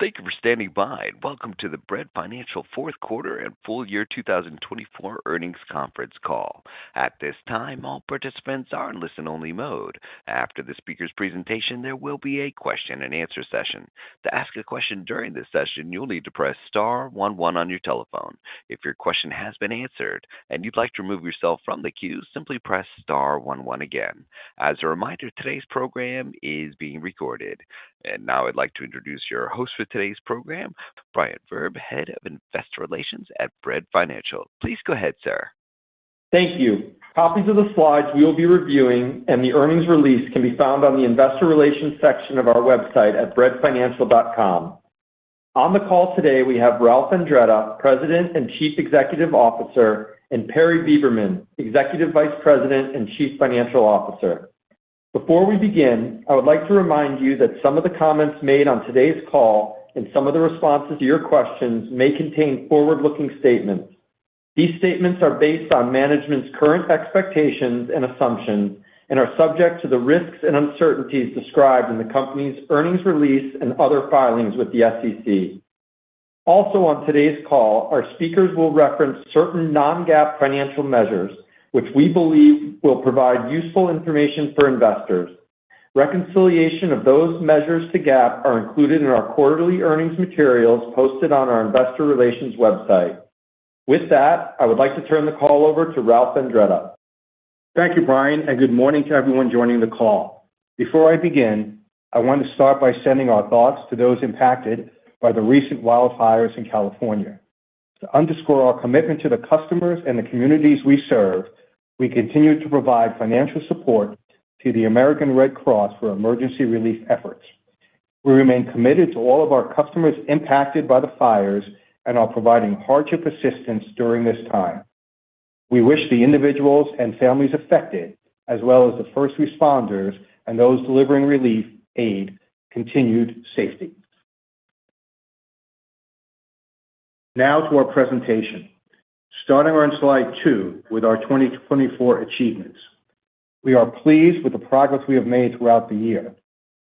Thank you for standing by, welcome to the Bread Financial fourth quarter and full year 2024 earnings conference call. At this time, all participants are in listen-only mode. After the speaker's presentation, there will be a question-and-answer session. To ask a question during this session, you'll need to press star one-one on your telephone. If your question has been answered and you'd like to remove yourself from the queue, simply press star one-one again. As a reminder, today's program is being recorded. And now I'd like to introduce your host for today's program, Brian Vereb, Head of Investor Relations at Bread Financial. Please go ahead, sir. Thank you. Copies of the slides we will be reviewing, and the earnings release can be found on the Investor Relations section of our website at breadfinancial.com. On the call today, we have Ralph Andretta, President and Chief Executive Officer, and Perry Beberman, Executive Vice President and Chief Financial Officer. Before we begin, I would like to remind you that some of the comments made on today's call and some of the responses to your questions may contain forward-looking statements. These statements are based on management's current expectations and assumptions and are subject to the risks and uncertainties described in the company's earnings release and other filings with the SEC. Also, on today's call, our speakers will reference certain non-GAAP financial measures, which we believe will provide useful information for investors. Reconciliation of those measures to GAAP are included in our quarterly earnings materials posted on our Investor Relations website. With that, I would like to turn the call over to Ralph Andretta. Thank you, Brian, and good morning to everyone joining the call. Before I begin, I want to start by sending our thoughts to those impacted by the recent wildfires in California. To underscore our commitment to the customers and the communities we serve, we continue to provide financial support to the American Red Cross for emergency relief efforts. We remain committed to all of our customers impacted by the fires and are providing hardship assistance during this time. We wish the individuals and families affected, as well as the first responders and those delivering relief, and continued safety. Now to our presentation. Starting on slide two with our 2024 achievements, we are pleased with the progress we have made throughout the year.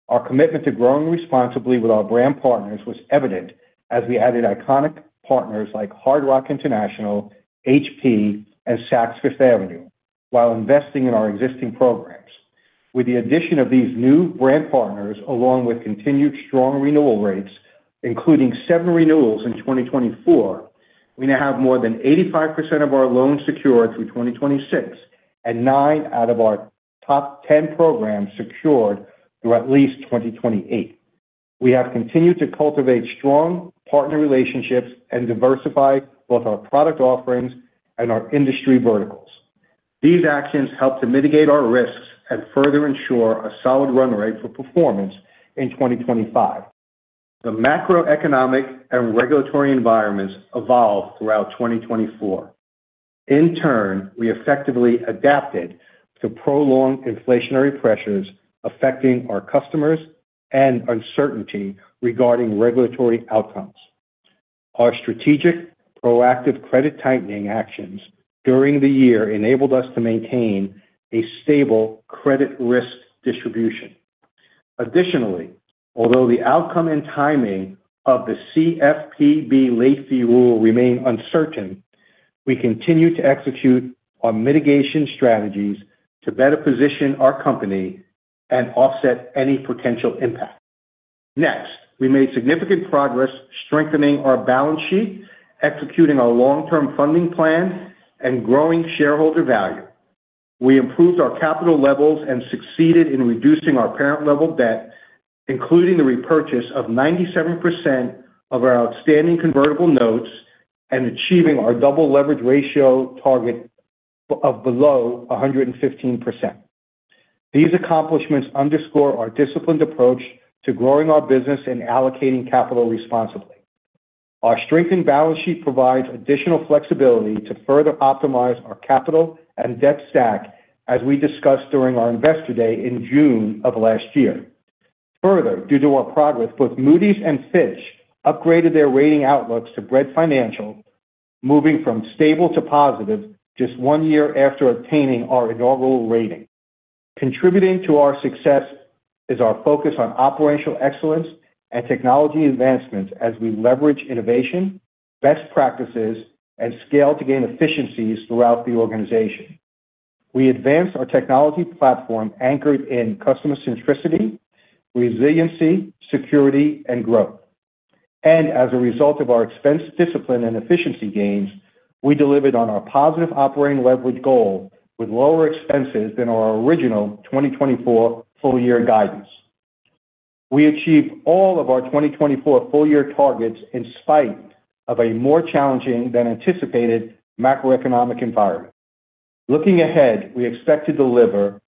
Our commitment to growing responsibly with our brand partners was evident as we added iconic partners like Hard Rock International, HP, and Saks Fifth Avenue while investing in our existing programs. With the addition of these new brand partners, along with continued strong renewal rates, including seven renewals in 2024, we now have more than 85% of our loans secured through 2026 and nine out of our top 10 programs secured through at least 2028. We have continued to cultivate strong partner relationships and diversify both our product offerings and our industry verticals. These actions help to mitigate our risks and further ensure a solid run rate for performance in 2025. The macroeconomic and regulatory environments evolved throughout 2024. In turn, we effectively adapted to prolonged inflationary pressures affecting our customers and uncertainty regarding regulatory outcomes. Our strategic proactive credit tightening actions during the year enabled us to maintain a stable credit risk distribution. Additionally, although the outcome and timing of the CFPB late fee rule remain uncertain, we continue to execute our mitigation strategies to better position our company and offset any potential impact. Next, we made significant progress strengthening our balance sheet, executing our long-term funding plan, and growing shareholder value. We improved our capital levels and succeeded in reducing our parent-level debt, including the repurchase of 97% of our outstanding Convertible Notes and achieving our double leverage ratio target of below 115%. These accomplishments underscore our disciplined approach to growing our business and allocating capital responsibly. Our strengthened balance sheet provides additional flexibility to further optimize our capital and debt stack, as we discussed during our investor day in June of last year. Further, due to our progress, both Moody's and Fitch upgraded their rating outlooks to Bread Financial, moving from stable to positive just one year after obtaining our inaugural rating. Contributing to our success is our focus on operational excellence and technology advancements as we leverage innovation, best practices, and scale to gain efficiencies throughout the organization. We advanced our technology platform anchored in customer centricity, resiliency, security, and growth, and as a result of our expense discipline and efficiency gains, we delivered on our positive operating leverage goal with lower expenses than our original 2024 full-year guidance. We achieved all of our 2024 full-year targets in spite of a more challenging than anticipated macroeconomic environment. Looking ahead, we expect to deliver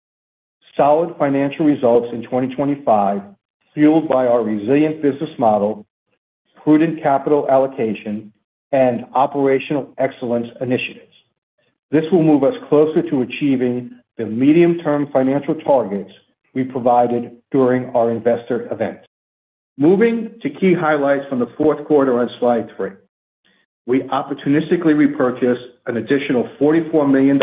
solid financial results in 2025, fueled by our resilient business model, prudent capital allocation, and operational excellence initiatives. This will move us closer to achieving the medium-term financial targets we provided during our investor event. Moving to key highlights from the fourth quarter on slide three, we opportunistically repurchased an additional $44 million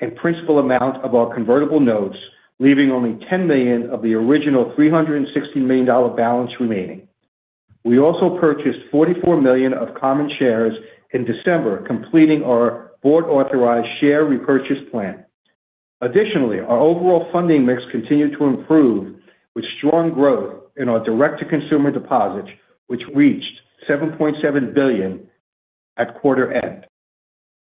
in principal amount of our Convertible Notes, leaving only $10 million of the original $360 million balance remaining. We also purchased $44 million of common shares in December, completing our board-authorized share repurchase plan. Additionally, our overall funding mix continued to improve with strong growth in our direct-to-consumer deposits, which reached $7.7 billion at quarter end.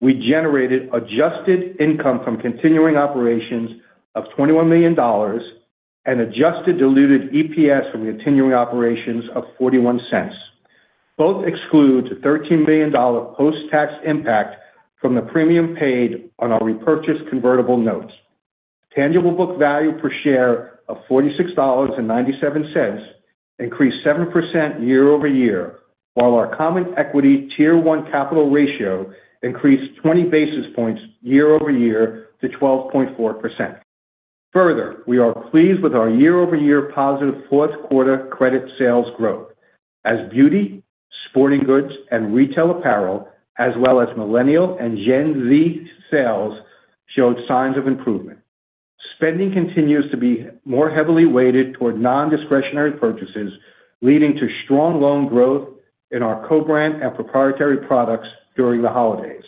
We generated adjusted income from continuing operations of $21 million and adjusted diluted EPS from continuing operations of $0.41. Both exclude the $13 million post-tax impact from the premium paid on our repurchased Convertible Notes. Tangible book value per share of $46.97 increased 7% year-over-year, while our Common Equity Tier 1 capital ratio increased 20 basis points year-over-year to 12.4%. Further, we are pleased with our year-over-year positive fourth quarter Credit sales growth, as beauty, sporting goods, and retail apparel, as well as Millennial and Gen Z sales, showed signs of improvement. Spending continues to be more heavily weighted toward non-discretionary purchases, leading to strong loan growth in our co-brand and proprietary products during the holidays.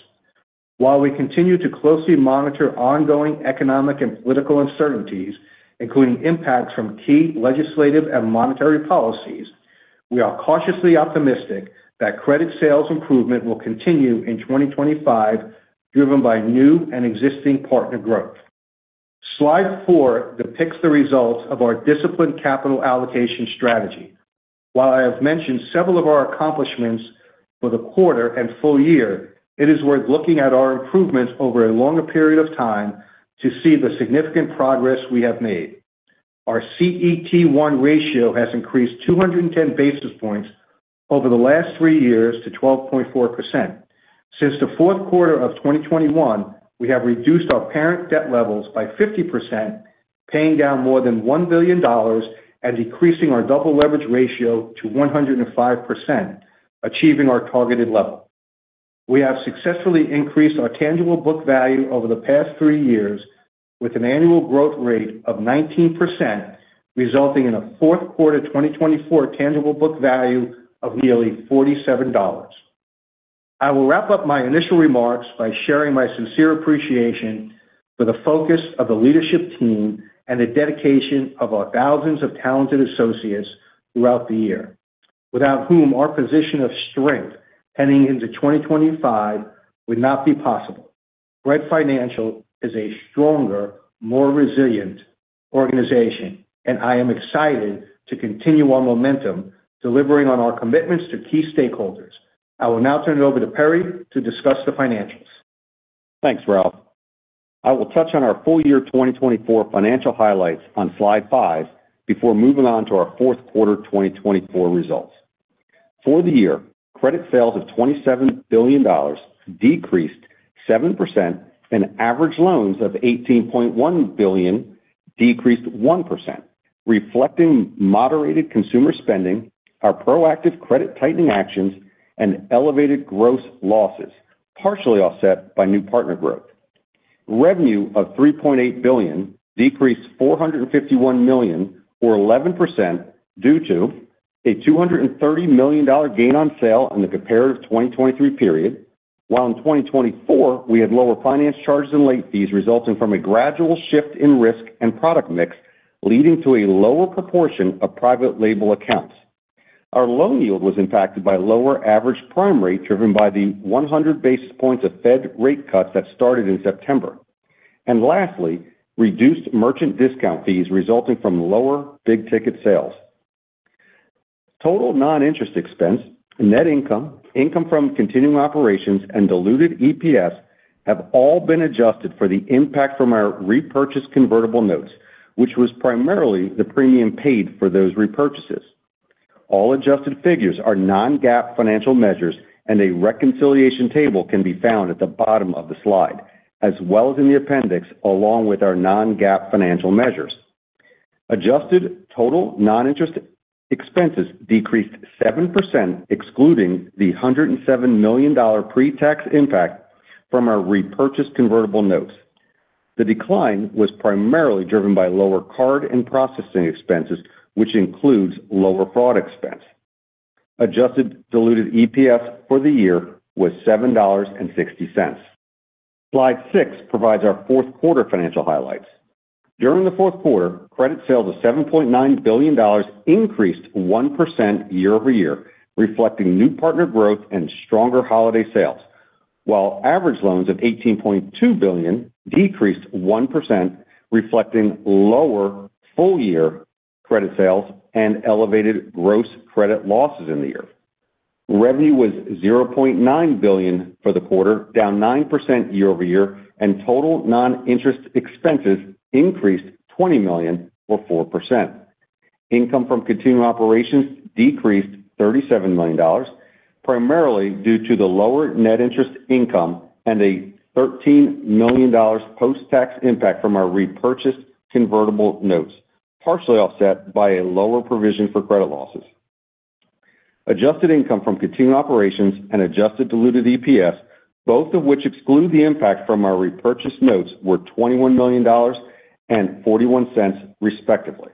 While we continue to closely monitor ongoing economic and political uncertainties, including impacts from key legislative and monetary policies, we are cautiously optimistic that Credit sales improvement will continue in 2025, driven by new and existing partner growth. Slide four depicts the results of our disciplined capital allocation strategy. While I have mentioned several of our accomplishments for the quarter and full year, it is worth looking at our improvements over a longer period of time to see the significant progress we have made. Our CET1 ratio has increased 210 basis points over the last three years to 12.4%. Since the fourth quarter of 2021, we have reduced our parent debt levels by 50%, paying down more than $1 billion and decreasing our double leverage ratio to 105%, achieving our targeted level. We have successfully increased our tangible book value over the past three years with an annual growth rate of 19%, resulting in a fourth quarter 2024 tangible book value of nearly $47. I will wrap up my initial remarks by sharing my sincere appreciation for the focus of the leadership team and the dedication of our thousands of talented associates throughout the year, without whom our position of strength heading into 2025 would not be possible. Bread Financial is a stronger, more resilient organization, and I am excited to continue our momentum delivering on our commitments to key stakeholders. I will now turn it over to Perry to discuss the financials. Thanks, Ralph. I will touch on our full year 2024 financial highlights on slide five before moving on to our fourth quarter 2024 results. For the year, Credit Sales of $27 billion decreased 7%, and Average Loans of $18.1 billion decreased 1%, reflecting moderated consumer spending, our proactive credit tightening actions, and elevated gross losses, partially offset by new partner growth. Revenue of $3.8 billion decreased $451 million, or 11%, due to a $230 million gain on sale in the comparative 2023 period, while in 2024 we had lower finance charges and late fees resulting from a gradual shift in risk and product mix, leading to a lower proportion of private label accounts. Our Loan yield was impacted by lower average prime rate driven by the 100 basis points of Fed rate cuts that started in September. And lastly, reduced merchant discount fees resulting from lower big ticket sales. Total non-interest expense, net income, income from continuing operations, and diluted EPS have all been adjusted for the impact from our repurchased Convertible Notes, which was primarily the premium paid for those repurchases. All adjusted figures are non-GAAP financial measures, and a reconciliation table can be found at the bottom of the slide, as well as in the appendix, along with our non-GAAP financial measures. Adjusted total non-interest expenses decreased 7%, excluding the $107 million pre-tax impact from our repurchased Convertible Notes. The decline was primarily driven by lower card and processing expenses, which includes lower fraud expense. Adjusted diluted EPS for the year was $7.60. Slide six provides our fourth quarter financial highlights. During the fourth quarter, Credit sales of $7.9 billion increased 1% year-over-year, reflecting new partner growth and stronger holiday sales, while average loans of $18.2 billion decreased 1%, reflecting lower full-year Credit sales and elevated gross credit losses in the year. Revenue was $0.9 billion for the quarter, down 9% year-over-year, and total non-interest expenses increased $20 million, or 4%. Income from continuing operations decreased $37 million, primarily due to the lower net interest income and a $13 million post-tax impact from our repurchased Convertible Notes, partially offset by a lower provision for credit losses. Adjusted income from continuing operations and adjusted diluted EPS, both of which exclude the impact from our repurchased notes, were $21 million and $0.41, respectively.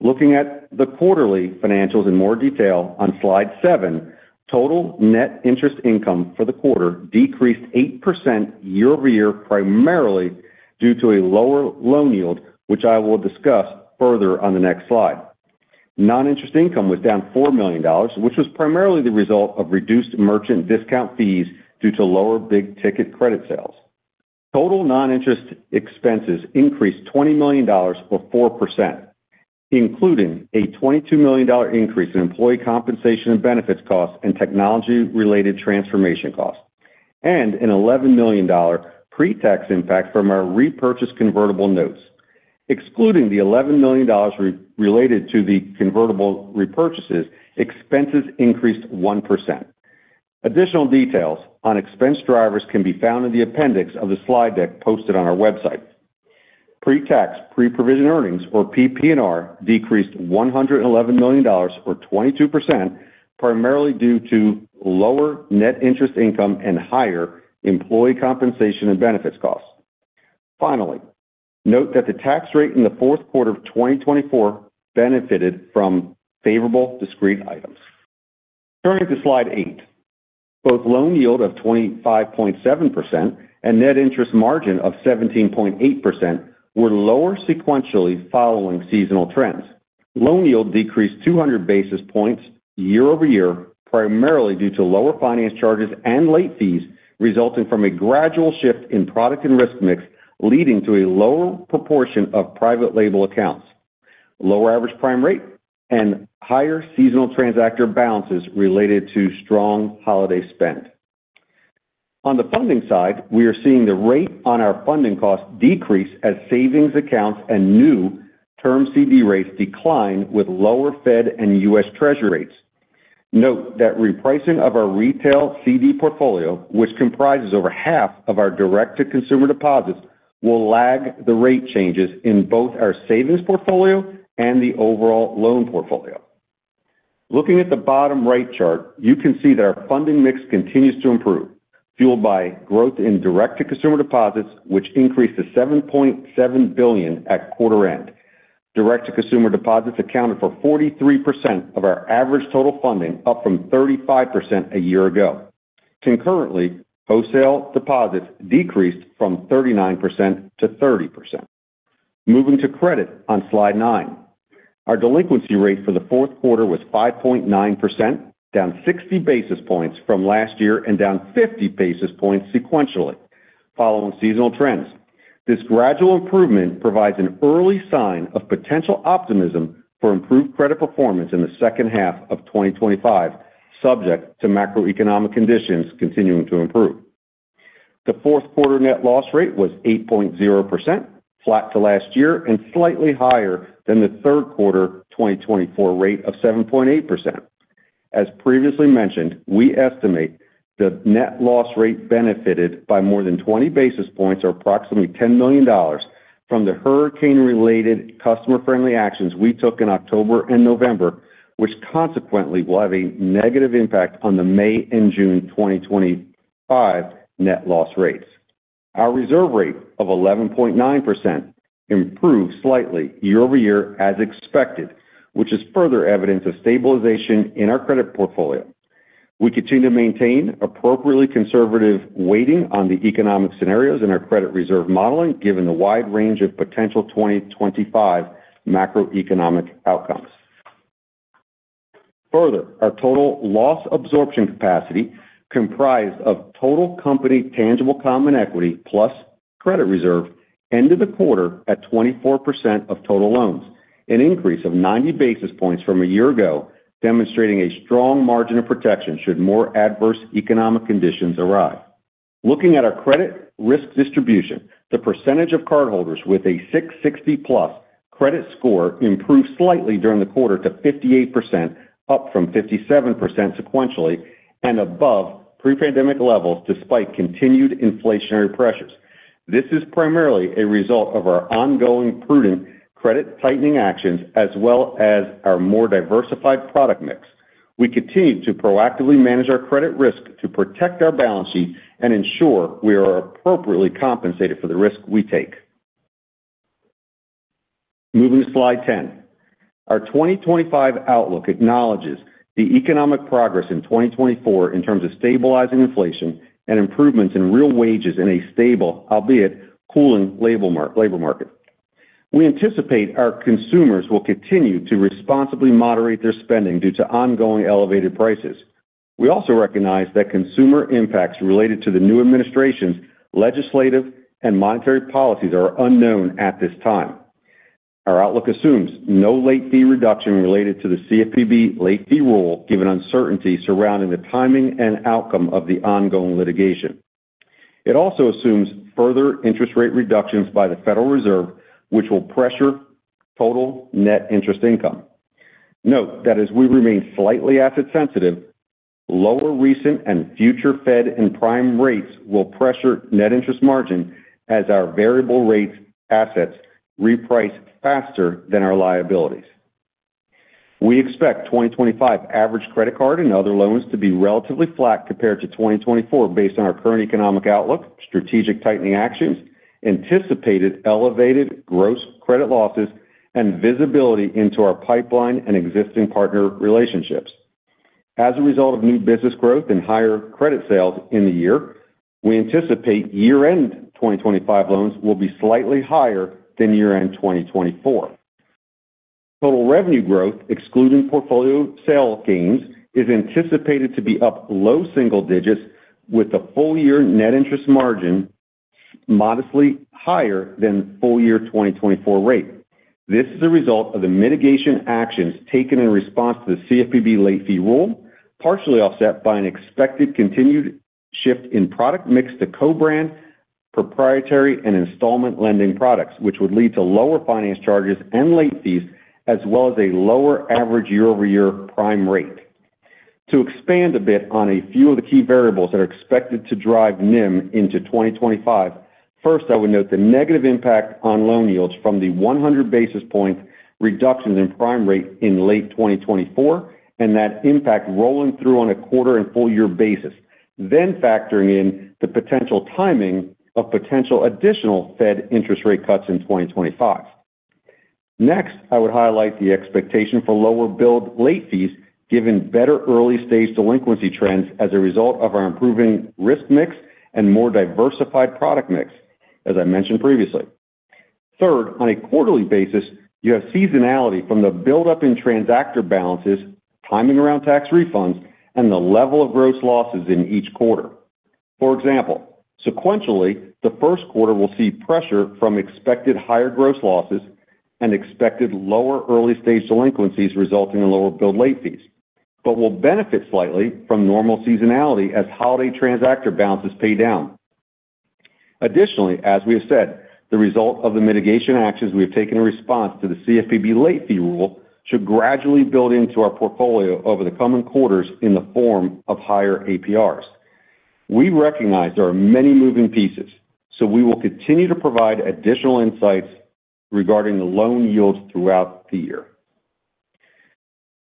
Looking at the quarterly financials in more detail on slide seven, total net interest income for the quarter decreased 8% year-over-year, primarily due to a lower Loan yield, which I will discuss further on the next slide. Non-interest income was down $4 million, which was primarily the result of reduced merchant discount fees due to lower big ticket Credit sales. Total non-interest expenses increased $20 million, or 4%, including a $22 million increase in employee compensation and benefits costs and technology-related transformation costs, and an $11 million pre-tax impact from our repurchased Convertible Notes. Excluding the $11 million related to the convertible repurchases, expenses increased 1%. Additional details on expense drivers can be found in the appendix of the slide deck posted on our website. Pretax pre-provision earnings, or PPNR, decreased $111 million, or 22%, primarily due to lower net interest income and higher employee compensation and benefits costs. Finally, note that the tax rate in the fourth quarter of 2024 benefited from favorable discrete items. Turning to slide eight, both Loan yield of 25.7% and Net interest margin of 17.8% were lower sequentially following seasonal trends. Loan yield decreased 200 basis points year-over-year, primarily due to lower finance charges and late fees resulting from a gradual shift in product and risk mix, leading to a lower proportion of private label accounts, lower average prime rate, and higher seasonal transactor balances related to strong holiday spend. On the funding side, we are seeing the rate on our funding costs decrease as savings accounts and new term CD rates decline with lower Fed and U.S. Treasury rates. Note that repricing of our retail CD portfolio, which comprises over half of our direct-to-consumer deposits, will lag the rate changes in both our savings portfolio and the overall loan portfolio. Looking at the bottom right chart, you can see that our funding mix continues to improve, fueled by growth in direct-to-consumer deposits, which increased to $7.7 billion at quarter end. Direct-to-consumer deposits accounted for 43% of our average total funding, up from 35% a year ago. Concurrently, Wholesale deposits decreased from 39%-30%. Moving to Credit on slide nine, our Delinquency rate for the fourth quarter was 5.9%, down 60 basis points from last year and down 50 basis points sequentially, following seasonal trends. This gradual improvement provides an early sign of potential optimism for improved credit performance in the second half of 2025, subject to macroeconomic conditions continuing to improve. The fourth quarter Net loss rate was 8.0%, flat to last year and slightly higher than the third quarter 2024 rate of 7.8%. As previously mentioned, we estimate the Net loss rate benefited by more than 20 basis points, or approximately $10 million, from the hurricane-related customer-friendly actions we took in October and November, which consequently will have a negative impact on the May and June 2025 Net loss rates. Our Reserve rate of 11.9% improved slightly year-over-year, as expected, which is further evidence of stabilization in our credit portfolio. We continue to maintain appropriately conservative weighting on the economic scenarios in our credit reserve modeling, given the wide range of potential 2025 macroeconomic outcomes. Further, our total loss absorption capacity, comprised of total company tangible common equity plus credit reserve, ended the quarter at 24% of total loans, an increase of 90 basis points from a year ago, demonstrating a strong margin of protection should more adverse economic conditions arise. Looking at our credit risk distribution, the percentage of cardholders with a 660-plus credit score improved slightly during the quarter to 58%, up from 57% sequentially and above pre-pandemic levels, despite continued inflationary pressures. This is primarily a result of our ongoing prudent credit tightening actions, as well as our more diversified product mix. We continue to proactively manage our credit risk to protect our balance sheet and ensure we are appropriately compensated for the risk we take. Moving to slide 10, our 2025 outlook acknowledges the economic progress in 2024 in terms of stabilizing inflation and improvements in real wages in a stable, albeit cooling, labor market. We anticipate our consumers will continue to responsibly moderate their spending due to ongoing elevated prices. We also recognize that consumer impacts related to the new administration's legislative and monetary policies are unknown at this time. Our outlook assumes no late fee reduction related to the CFPB late fee rule, given uncertainty surrounding the timing and outcome of the ongoing litigation. It also assumes further interest rate reductions by the Federal Reserve, which will pressure total net interest income. Note that as we remain slightly asset-sensitive, lower recent and future Fed and prime rates will pressure Net interest margin as our variable rate assets reprice faster than our liabilities. We expect 2025 average credit card and other loans to be relatively flat compared to 2024, based on our current economic outlook, strategic tightening actions, anticipated elevated gross credit losses, and visibility into our pipeline and existing partner relationships. As a result of new business growth and higher Credit sales in the year, we anticipate year-end 2025 loans will be slightly higher than year-end 2024. Total revenue growth, excluding portfolio sale gains, is anticipated to be up low single digits, with the full-year Net interest margin modestly higher than full-year 2024 rate. This is a result of the mitigation actions taken in response to the CFPB late fee rule, partially offset by an expected continued shift in product mix to co-brand, proprietary, and installment lending products, which would lead to lower finance charges and late fees, as well as a lower average year-over-year prime rate. To expand a bit on a few of the key variables that are expected to drive NIM into 2025, first, I would note the negative impact on Loan yields from the 100 basis point reductions in prime rate in late 2024, and that impact rolling through on a quarter and full-year basis, then factoring in the potential timing of potential additional Fed interest rate cuts in 2025. Next, I would highlight the expectation for lower billed late fees, given better early-stage delinquency trends as a result of our improving risk mix and more diversified product mix, as I mentioned previously. Third, on a quarterly basis, you have seasonality from the buildup in transactor balances, timing around tax refunds, and the level of gross losses in each quarter. For example, sequentially, the first quarter will see pressure from expected higher gross losses and expected lower early-stage delinquencies resulting in lower billed late fees, but will benefit slightly from normal seasonality as holiday transactor balances pay down. Additionally, as we have said, the result of the mitigation actions we have taken in response to the CFPB late fee rule should gradually build into our portfolio over the coming quarters in the form of higher APRs. We recognize there are many moving pieces, so we will continue to provide additional insights regarding the Loan yields throughout the year.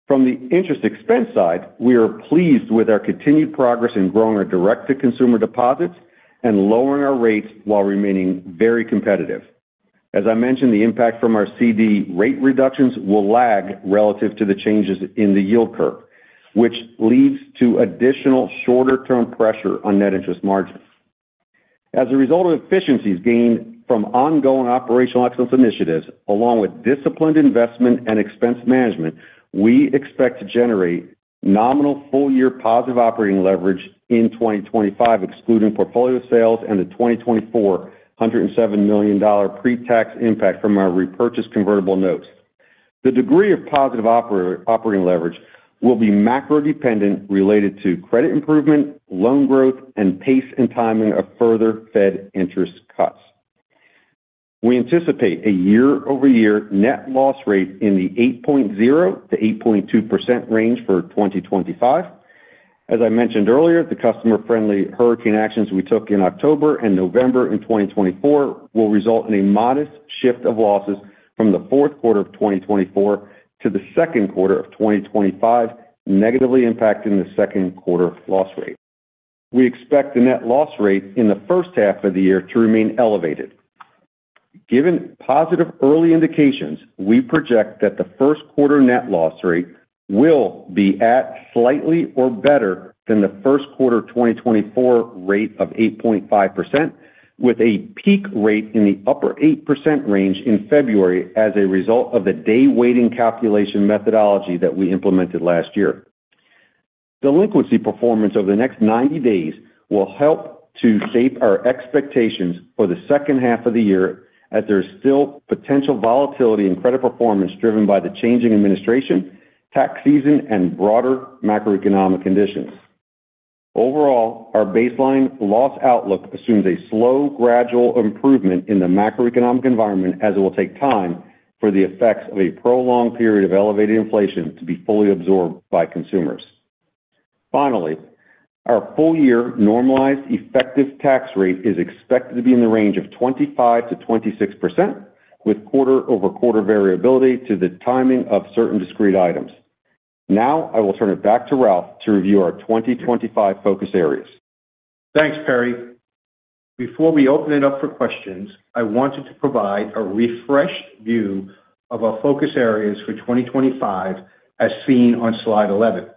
From the interest expense side, we are pleased with our continued progress in growing our direct-to-consumer deposits and lowering our rates while remaining very competitive. As I mentioned, the impact from our CD rate reductions will lag relative to the changes in the yield curve, which leads to additional shorter-term pressure on Net interest margins. As a result of efficiencies gained from ongoing operational excellence initiatives, along with disciplined investment and expense management, we expect to generate nominal full-year positive operating leverage in 2025, excluding portfolio sales and the 2024 $107 million pre-tax impact from our repurchased Convertible Notes. The degree of positive operating leverage will be macro-dependent related to credit improvement, loan growth, and pace and timing of further Fed interest cuts. We anticipate a year-over-year Net loss rate in the 8.0%-8.2% range for 2025. As I mentioned earlier, the customer-friendly hurricane actions we took in October and November in 2024 will result in a modest shift of losses from the fourth quarter of 2024 to the second quarter of 2025, negatively impacting the second quarter loss rate. We expect the Net loss rate in the first half of the year to remain elevated. Given positive early indications, we project that the first quarter Net loss rate will be at slightly or better than the first quarter 2024 rate of 8.5%, with a peak rate in the upper 8% range in February as a result of the day-weighting calculation methodology that we implemented last year. Delinquency performance over the next 90 days will help to shape our expectations for the second half of the year, as there is still potential volatility in credit performance driven by the changing administration, tax season, and broader macroeconomic conditions. Overall, our baseline loss outlook assumes a slow, gradual improvement in the macroeconomic environment, as it will take time for the effects of a prolonged period of elevated inflation to be fully absorbed by consumers. Finally, our full-year normalized effective tax rate is expected to be in the range of 25%-26%, with quarter-over-quarter variability to the timing of certain discrete items. Now, I will turn it back to Ralph to review our 2025 focus areas. Thanks, Perry. Before we open it up for questions, I wanted to provide a refreshed view of our focus areas for 2025, as seen on slide 11.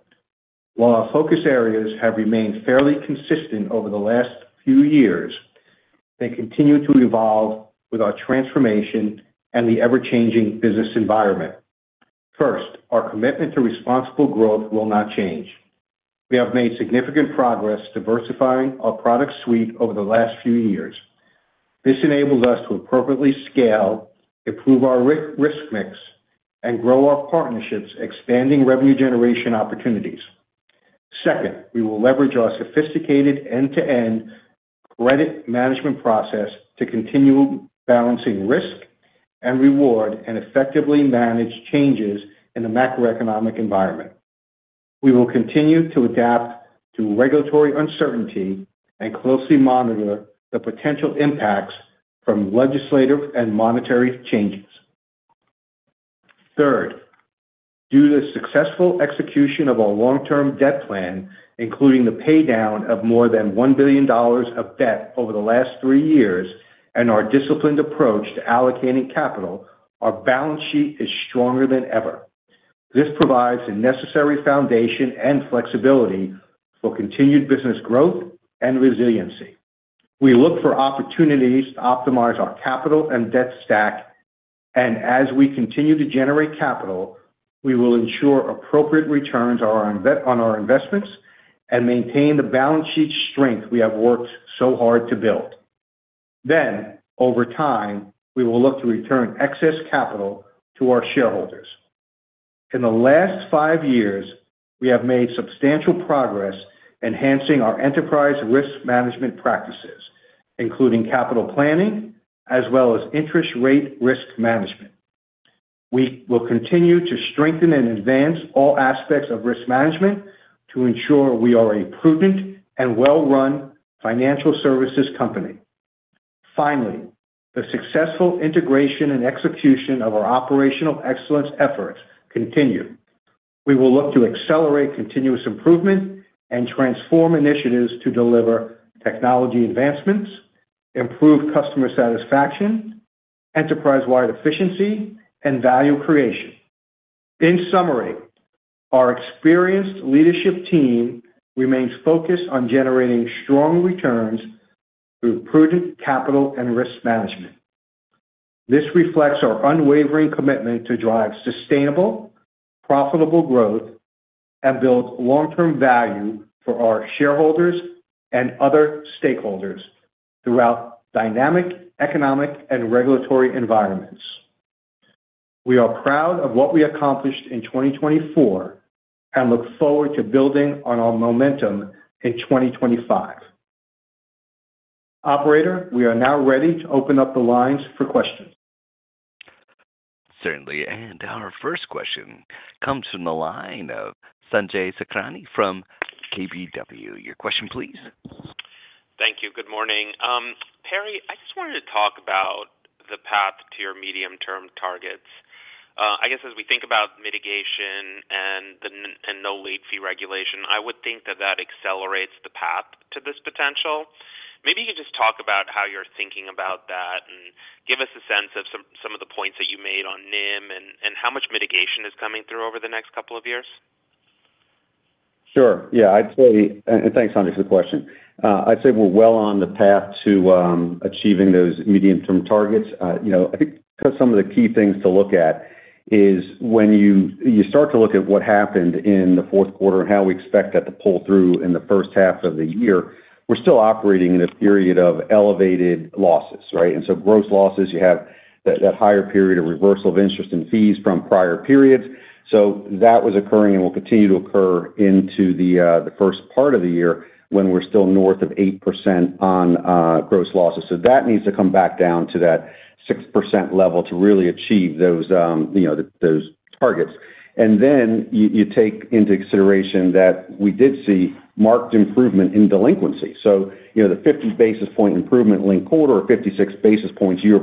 While our focus areas have remained fairly consistent over the last few years, they continue to evolve with our transformation and the ever-changing business environment. First, our commitment to responsible growth will not change. We have made significant progress diversifying our product suite over the last few years. This enables us to appropriately scale, improve our risk mix, and grow our partnerships, expanding revenue generation opportunities. Second, we will leverage our sophisticated end-to-end credit management process to continue balancing risk and reward and effectively manage changes in the macroeconomic environment. We will continue to adapt to regulatory uncertainty and closely monitor the potential impacts from legislative and monetary changes. Third, due to the successful execution of our long-term debt plan, including the paydown of more than $1 billion of debt over the last three years and our disciplined approach to allocating capital, our balance sheet is stronger than ever. This provides the necessary foundation and flexibility for continued business growth and resiliency. We look for opportunities to optimize our capital and debt stack, and as we continue to generate capital, we will ensure appropriate returns on our investments and maintain the balance sheet strength we have worked so hard to build. Then, over time, we will look to return excess capital to our shareholders. In the last five years, we have made substantial progress enhancing our enterprise risk management practices, including capital planning as well as interest rate risk management. We will continue to strengthen and advance all aspects of risk management to ensure we are a prudent and well-run financial services company. Finally, the successful integration and execution of our operational excellence efforts continue. We will look to accelerate continuous improvement and transform initiatives to deliver technology advancements, improve customer satisfaction, enterprise-wide efficiency, and value creation. In summary, our experienced leadership team remains focused on generating strong returns through prudent capital and risk management. This reflects our unwavering commitment to drive sustainable, profitable growth and build long-term value for our shareholders and other stakeholders throughout dynamic economic and regulatory environments. We are proud of what we accomplished in 2024 and look forward to building on our momentum in 2025. Operator, we are now ready to open up the lines for questions. Certainly. And our first question comes from the line of Sanjay Sakhrani from KBW. Your question, please. Thank you. Good morning. Perry, I just wanted to talk about the path to your medium-term targets. I guess as we think about mitigation and no late fee regulation, I would think that that accelerates the path to this potential. Maybe you could just talk about how you're thinking about that and give us a sense of some of the points that you made on NIM and how much mitigation is coming through over the next couple of years. Sure. Yeah. And thanks, Sanjay, for the question. I'd say we're well on the path to achieving those medium-term targets. I think some of the key things to look at is when you start to look at what happened in the fourth quarter and how we expect that to pull through in the first half of the year, we're still operating in a period of elevated losses, right? And so gross losses, you have that higher period of reversal of interest and fees from prior periods. So that was occurring and will continue to occur into the first part of the year when we're still north of 8% on gross losses. So that needs to come back down to that 6% level to really achieve those targets. And then you take into consideration that we did see marked improvement in delinquency. So the 50 basis point improvement linked quarter or 56 basis points, you're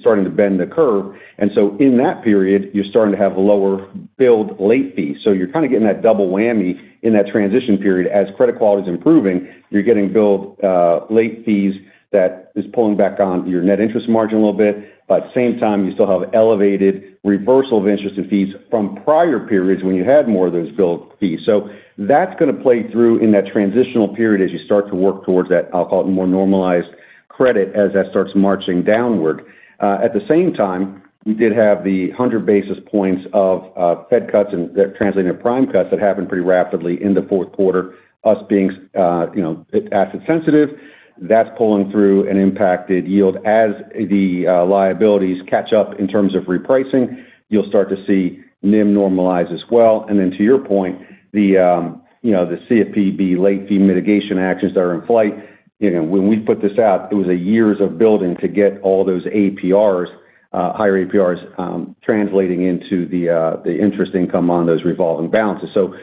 starting to bend the curve. And so in that period, you're starting to have lower billed late fees. So you're kind of getting that double whammy in that transition period. As credit quality is improving, you're getting billed late fees that is pulling back on your Net interest margin a little bit. But at the same time, you still have elevated reversal of interest and fees from prior periods when you had more of those billed fees. So that's going to play through in that transitional period as you start to work towards that, I'll call it, more normalized credit as that starts marching downward. At the same time, we did have the 100 basis points of Fed cuts and that translated into prime cuts that happened pretty rapidly in the fourth quarter, us being asset-sensitive. That's pulling through and impacted yield as the liabilities catch up in terms of repricing. You'll start to see NIM normalize as well. And then to your point, the CFPB late fee mitigation actions that are in flight, when we put this out, it was years of building to get all those APRs, higher APRs, translating into the interest income on those revolving balances. So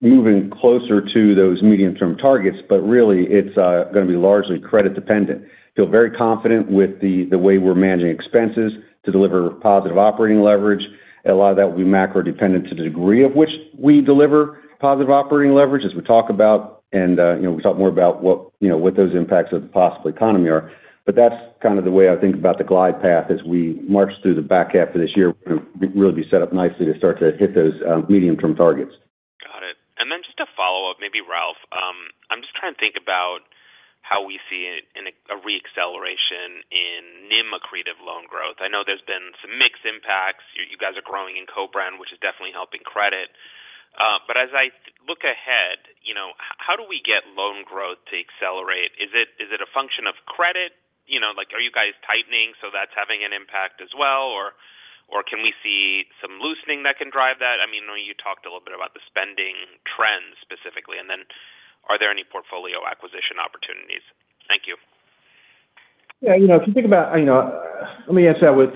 we're moving closer to those medium-term targets, but really, it's going to be largely credit-dependent. Feel very confident with the way we're managing expenses to deliver positive operating leverage. A lot of that will be macro-dependent to the degree of which we deliver positive operating leverage, as we talk about, and we talk more about what those impacts of the possible economy are. But that's kind of the way I think about the glide path as we march through the back half of this year. We're going to really be set up nicely to start to hit those medium-term targets. Got it. And then just to follow up, maybe, Ralph, I'm just trying to think about how we see a re-acceleration in NIM accretive loan growth. I know there's been some mixed impacts. You guys are growing in co-brand, which is definitely helping credit. But as I look ahead, how do we get loan growth to accelerate? Is it a function of credit? Are you guys tightening, so that's having an impact as well? Or, can we see some loosening that can drive that? I mean, I know you talked a little bit about the spending trends specifically. And then, are there any portfolio acquisition opportunities? Thank you. Yeah. If you think about let me answer that with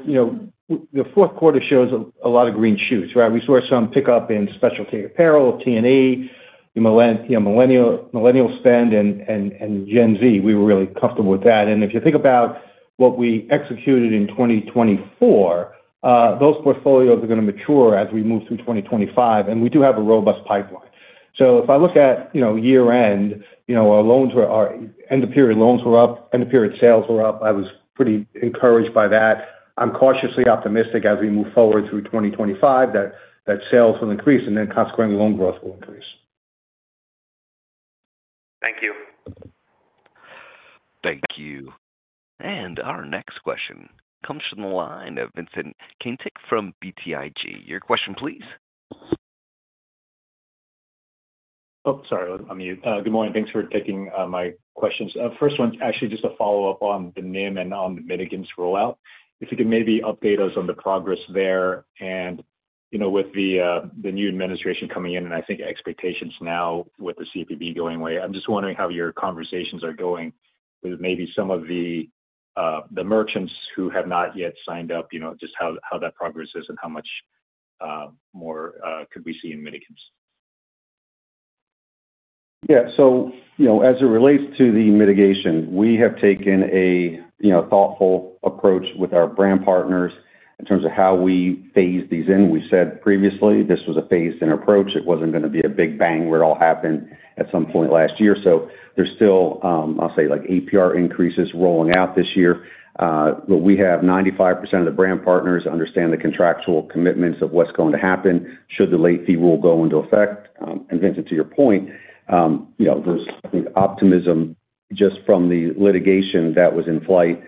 the fourth quarter shows a lot of green shoots, right? We saw some pickup in specialty apparel, T&E, Millennial spend, and Gen Z. We were really comfortable with that. And if you think about what we executed in 2024, those portfolios are going to mature as we move through 2025. And we do have a robust pipeline. So if I look at year-end, our end-of-period loans were up, end-of-period sales were up. I was pretty encouraged by that. I'm cautiously optimistic as we move forward through 2025 that sales will increase and then consequently loan growth will increase. Thank you. Thank you. Our next question comes from the line of Vincent Caintic from BTIG. Your question, please. Oh, sorry. I'm muted. Good morning. Thanks for taking my questions. First one's actually just a follow-up on the NIM and on the mitigants rollout. If you could maybe update us on the progress there. And with the new administration coming in, and I think expectations now with the CFPB going away, I'm just wondering how your conversations are going with maybe some of the merchants who have not yet signed up, just how that progress is and how much more could we see in mitigants. Yeah. So as it relates to the mitigation, we have taken a thoughtful approach with our brand partners in terms of how we phase these in. We said previously this was a phased-in approach. It wasn't going to be a big bang where it all happened at some point last year. So there's still, I'll say, APR increases rolling out this year. But we have 95% of the brand partners understand the contractual commitments of what's going to happen should the late fee rule go into effect. And Vincent, to your point, there's, I think, optimism just from the litigation that was in flight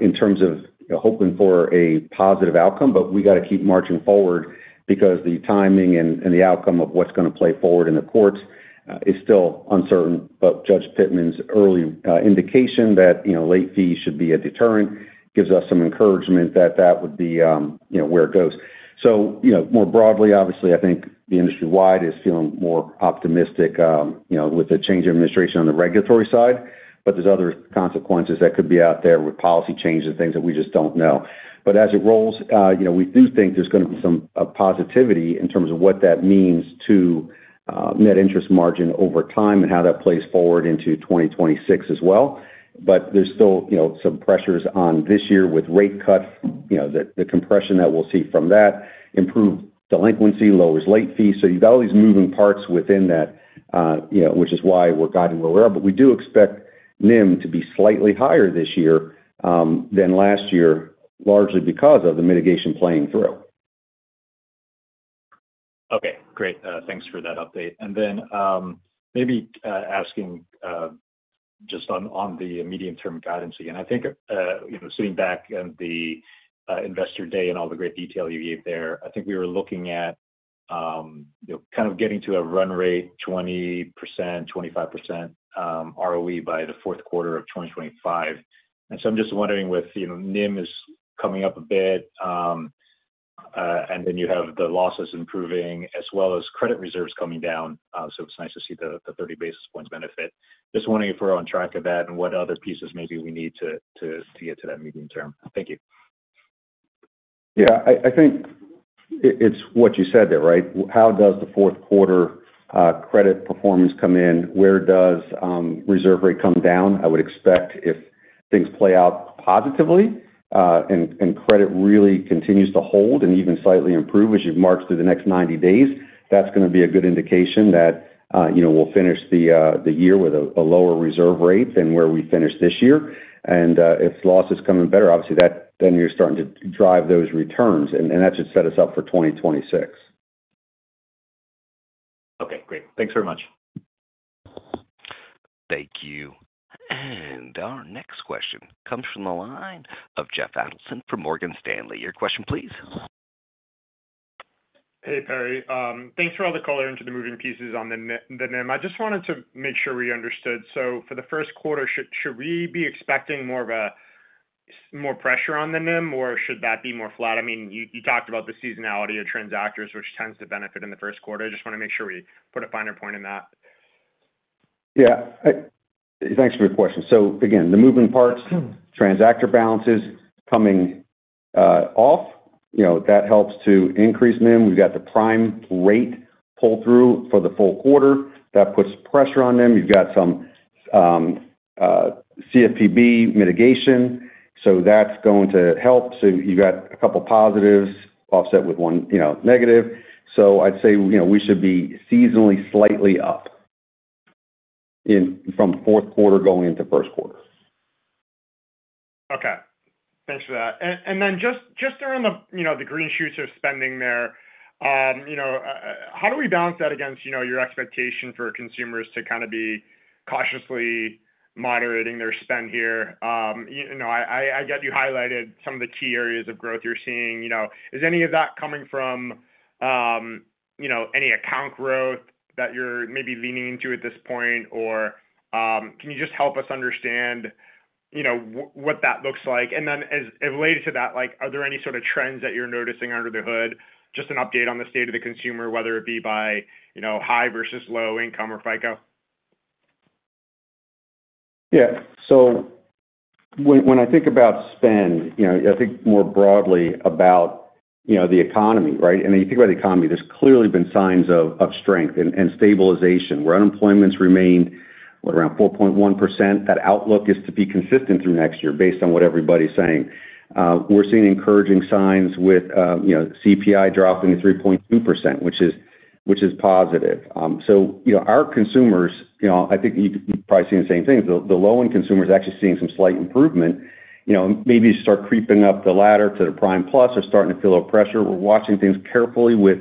in terms of hoping for a positive outcome. But we got to keep marching forward because the timing and the outcome of what's going to play forward in the courts is still uncertain. But Judge Pittman's early indication that late fees should be a deterrent gives us some encouragement that that would be where it goes. So more broadly, obviously, I think the industry-wide is feeling more optimistic with the change of administration on the regulatory side. But there's other consequences that could be out there with policy changes and things that we just don't know. But as it rolls, we do think there's going to be some positivity in terms of what that means to Net interest margin over time and how that plays forward into 2026 as well. But there's still some pressures on this year with rate cuts. The compression that we'll see from that improves delinquency, lowers late fees. So you've got all these moving parts within that, which is why we're guided where we are. But we do expect NIM to be slightly higher this year than last year, largely because of the mitigation playing through. Okay. Great. Thanks for that update. And then maybe asking just on the medium-term guidance again. I think sitting back on the investor day and all the great detail you gave there, I think we were looking at kind of getting to a run rate 20%, 25% ROE by the fourth quarter of 2025. And so I'm just wondering with NIM is coming up a bit, and then you have the losses improving as well as credit reserves coming down. So it's nice to see the 30 basis points benefit. Just wondering if we're on track of that and what other pieces maybe we need to get to that medium term. Thank you. Yeah. I think it's what you said there, right? How does the fourth quarter credit performance come in? Where does Reserve rate come down? I would expect if things play out positively and credit really continues to hold and even slightly improve as you march through the next 90 days, that's going to be a good indication that we'll finish the year with a lower Reserve rate than where we finished this year. And if losses come in better, obviously, then you're starting to drive those returns. And that should set us up for 2026. Okay. Great. Thanks very much. Thank you. And our next question comes from the line of Jeff Adelson from Morgan Stanley. Your question, please. Hey, Perry. Thanks for all the color into the moving pieces on the NIM. I just wanted to make sure we understood. So for the first quarter, should we be expecting more pressure on the NIM, or should that be more flat? I mean, you talked about the seasonality of transactors, which tends to benefit in the first quarter. I just want to make sure we put a finer point in that. Yeah. Thanks for your question. So again, the moving parts, transactor balances coming off, that helps to increase NIM. We've got the prime rate pull-through for the full quarter. That puts pressure on them. You've got some CFPB mitigation. So that's going to help. So you've got a couple of positives offset with one negative. So I'd say we should be seasonally slightly up from fourth quarter going into first quarter. Okay. Thanks for that. And then just around the green shoots of spending there, how do we balance that against your expectation for consumers to kind of be cautiously moderating their spend here? I get you highlighted some of the key areas of growth you're seeing. Is any of that coming from any account growth that you're maybe leaning into at this point? Or can you just help us understand what that looks like? And then related to that, are there any sort of trends that you're noticing under the hood? Just an update on the state of the consumer, whether it be by high versus low income or FICO? Yeah. So when I think about spend, I think more broadly about the economy, right? And when you think about the economy, there's clearly been signs of strength and stabilization. Where unemployment's remained around 4.1%, that outlook is to be consistent through next year based on what everybody's saying. We're seeing encouraging signs with CPI dropping to 3.2%, which is positive. So our consumers, I think you're probably seeing the same things. The low-end consumers are actually seeing some slight improvement. Maybe you start creeping up the ladder to the prime plus or starting to feel a pressure. We're watching things carefully with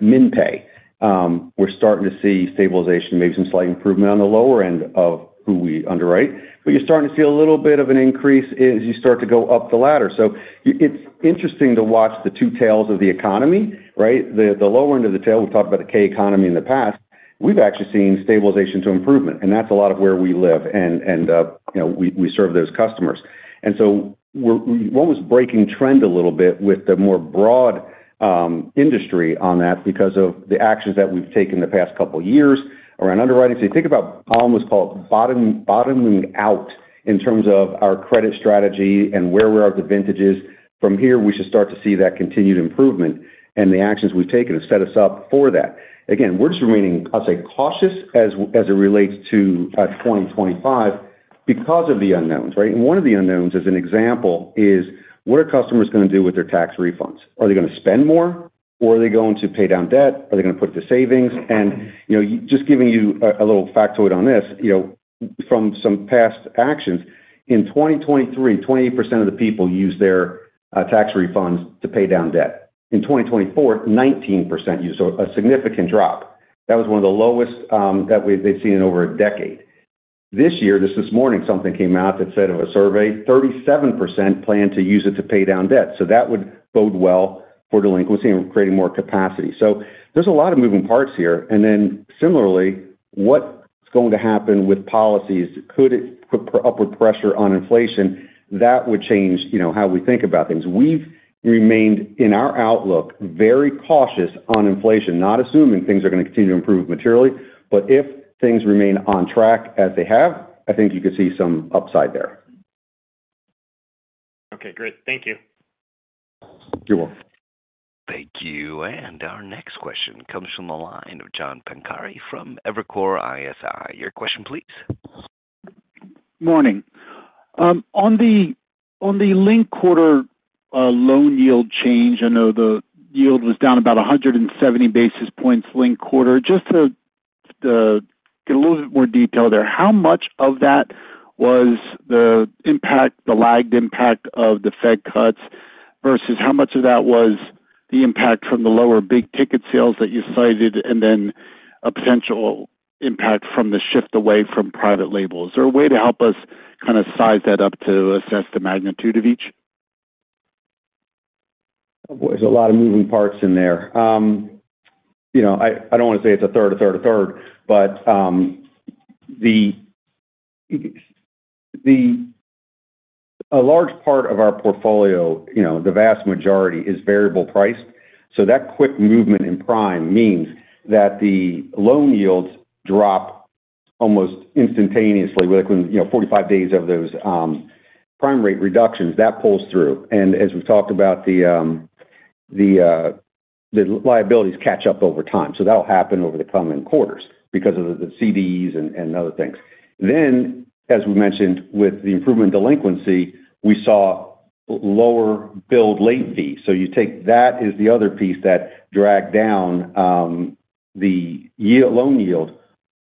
min pay. We're starting to see stabilization, maybe some slight improvement on the lower end of who we underwrite. But you're starting to see a little bit of an increase as you start to go up the ladder. So it's interesting to watch the two tails of the economy, right? The lower end of the tail, we've talked about the K-economy in the past. We've actually seen stabilization to improvement. And that's a lot of where we live. And we serve those customers. And so we're breaking trend a little bit with the broader industry on that because of the actions that we've taken the past couple of years around underwriting. So you think about almost call it bottoming out in terms of our credit strategy and where we are at the vintages. From here, we should start to see that continued improvement and the actions we've taken to set us up for that. Again, we're just remaining, I'll say, cautious as it relates to 2025 because of the unknowns, right? And one of the unknowns, as an example, is what are customers going to do with their tax refunds? Are they going to spend more? Or are they going to pay down debt? Are they going to put it to savings? And just giving you a little factoid on this, from some past actions, in 2023, 28% of the people used their tax refunds to pay down debt. In 2024, 19% used it, so a significant drop. That was one of the lowest that they've seen in over a decade. This year, just this morning, something came out that said of a survey, 37% plan to use it to pay down debt. So that would bode well for delinquency and creating more capacity. So there's a lot of moving parts here. And then similarly, what's going to happen with policies? Could it put upward pressure on inflation? That would change how we think about things. We've remained in our outlook very cautious on inflation, not assuming things are going to continue to improve materially. But if things remain on track as they have, I think you could see some upside there. Okay. Great. Thank you. You're welcome. Thank you. And our next question comes from the line of John Pancari from Evercore ISI. Your question, please. Morning. On the linked quarter Loan yield change, I know the yield was down about 170 basis points linked quarter. Just to get a little bit more detail there, how much of that was the impact, the lagged impact of the Fed cuts versus how much of that was the impact from the lower big ticket sales that you cited and then a potential impact from the shift away from private labels? Is there a way to help us kind of size that up to assess the magnitude of each? There's a lot of moving parts in there. I don't want to say it's a third, a third, a third, but a large part of our portfolio, the vast majority, is variable priced. So that quick movement in prime means that the Loan yields drop almost instantaneously. Within 45 days of those prime rate reductions, that pulls through. And as we've talked about, the liabilities catch up over time. So that'll happen over the coming quarters because of the CDs and other things. Then, as we mentioned, with the improvement in delinquency, we saw lower billed late fees. So you take that as the other piece that dragged down the Loan yield,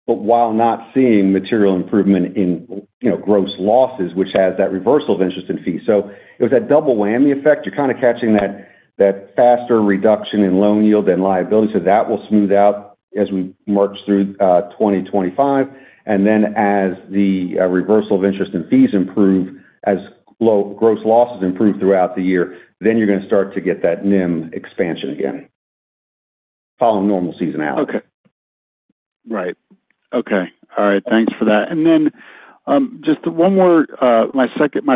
but while not seeing material improvement in gross losses, which has that reversal of interest in fees. So it was that double whammy effect. You're kind of catching that faster reduction in Loan yield than liability. So that will smooth out as we march through 2025. And then as the reversal of interest in fees improve, as gross losses improve throughout the year, then you're going to start to get that NIM expansion again following normal seasonality. Okay. Right. Okay. All right. Thanks for that. And then just one more. My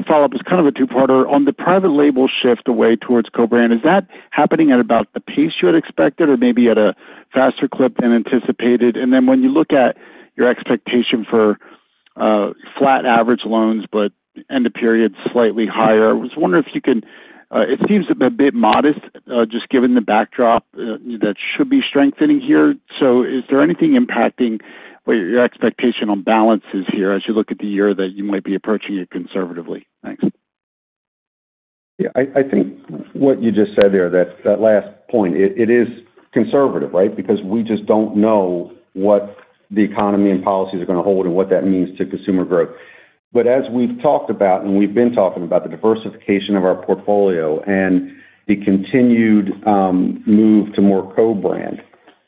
follow-up is kind of a two-parter. On the private label shift away toward co-brand, is that happening at about the pace you had expected or maybe at a faster clip than anticipated, and then when you look at your expectation for flat average loans, but end of period slightly higher, I was wondering if you can, it seems a bit modest just given the backdrop that should be strengthening here, so is there anything impacting your expectation on balances here as you look at the year that you might be approaching it conservatively? Thanks. Yeah. I think what you just said there, that last point, it is conservative, right? Because we just don't know what the economy and policies are going to hold and what that means to consumer growth. But as we've talked about, and we've been talking about the diversification of our portfolio and the continued move to more co-brand,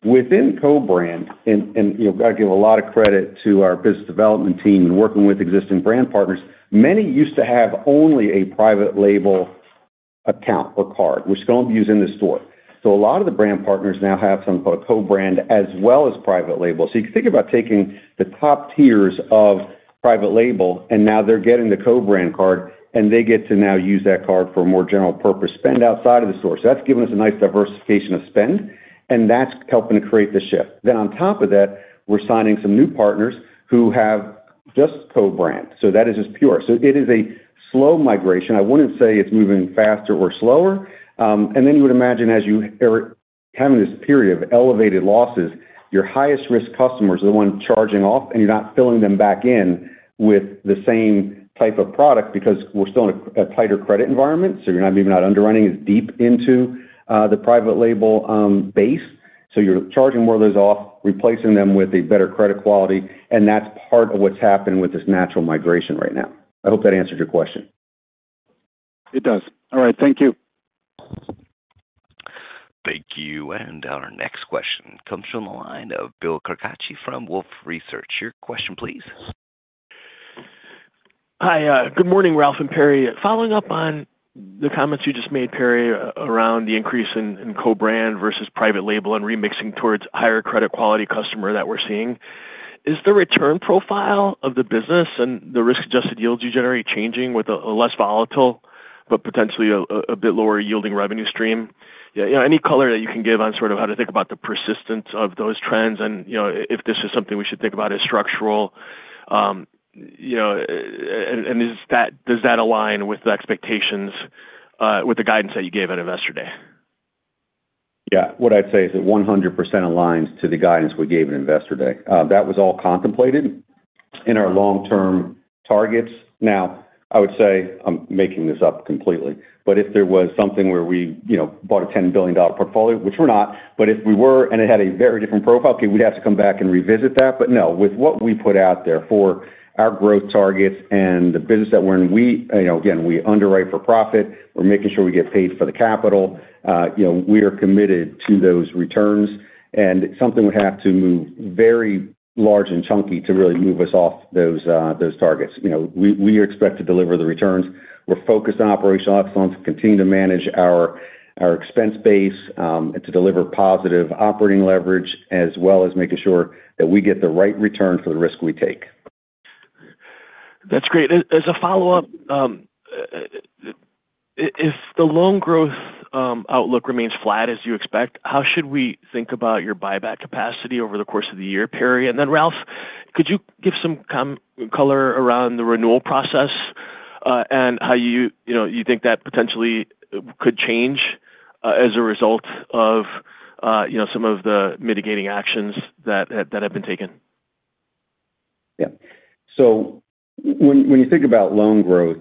within co-brand, and I give a lot of credit to our business development team and working with existing brand partners, many used to have only a private label account or card, which is only used in the store. So a lot of the brand partners now have something called a co-brand as well as private label. So you can think about taking the top tiers of private label, and now they're getting the co-brand card, and they get to now use that card for a more general purpose spend outside of the store. So that's given us a nice diversification of spend, and that's helping to create the shift. Then on top of that, we're signing some new partners who have just co-brand. So that is just pure. So it is a slow migration. I wouldn't say it's moving faster or slower. And then you would imagine as you are having this period of elevated losses, your highest-risk customers are the ones charging off, and you're not filling them back in with the same type of product because we're still in a tighter credit environment. So you're not even underwriting as deep into the private label base. So you're charging more of those off, replacing them with a better credit quality. And that's part of what's happening with this natural migration right now. I hope that answered your question. It does. All right. Thank you. Thank you. And our next question comes from the line of Bill Carcache from Wolfe Research. Your question, please. Hi. Good morning, Ralph and Perry. Following up on the comments you just made, Perry, around the increase in co-brand versus private label and remixing towards higher credit quality customer that we're seeing, is the return profile of the business and the risk-adjusted yields you generate changing with a less volatile but potentially a bit lower yielding revenue stream? Any color that you can give on sort of how to think about the persistence of those trends and if this is something we should think about as structural? And does that align with the expectations, with the guidance that you gave at Investor Day? Yeah. What I'd say is it 100% aligns to the guidance we gave at Investor Day. That was all contemplated in our long-term targets. Now, I would say I'm making this up completely. But if there was something where we bought a $10 billion portfolio, which we're not, but if we were and it had a very different profile, okay, we'd have to come back and revisit that. But no, with what we put out there for our growth targets and the business that we're in, again, we underwrite for profit. We're making sure we get paid for the capital. We are committed to those returns. And something would have to move very large and chunky to really move us off those targets. We expect to deliver the returns. We're focused on operational excellence, continue to manage our expense base and to deliver positive operating leverage as well as making sure that we get the right return for the risk we take. That's great. As a follow-up, if the loan growth outlook remains flat as you expect, how should we think about your buyback capacity over the course of the year, Perry? And then, Ralph, could you give some color around the renewal process and how you think that potentially could change as a result of some of the mitigating actions that have been taken? Yeah. So when you think about loan growth,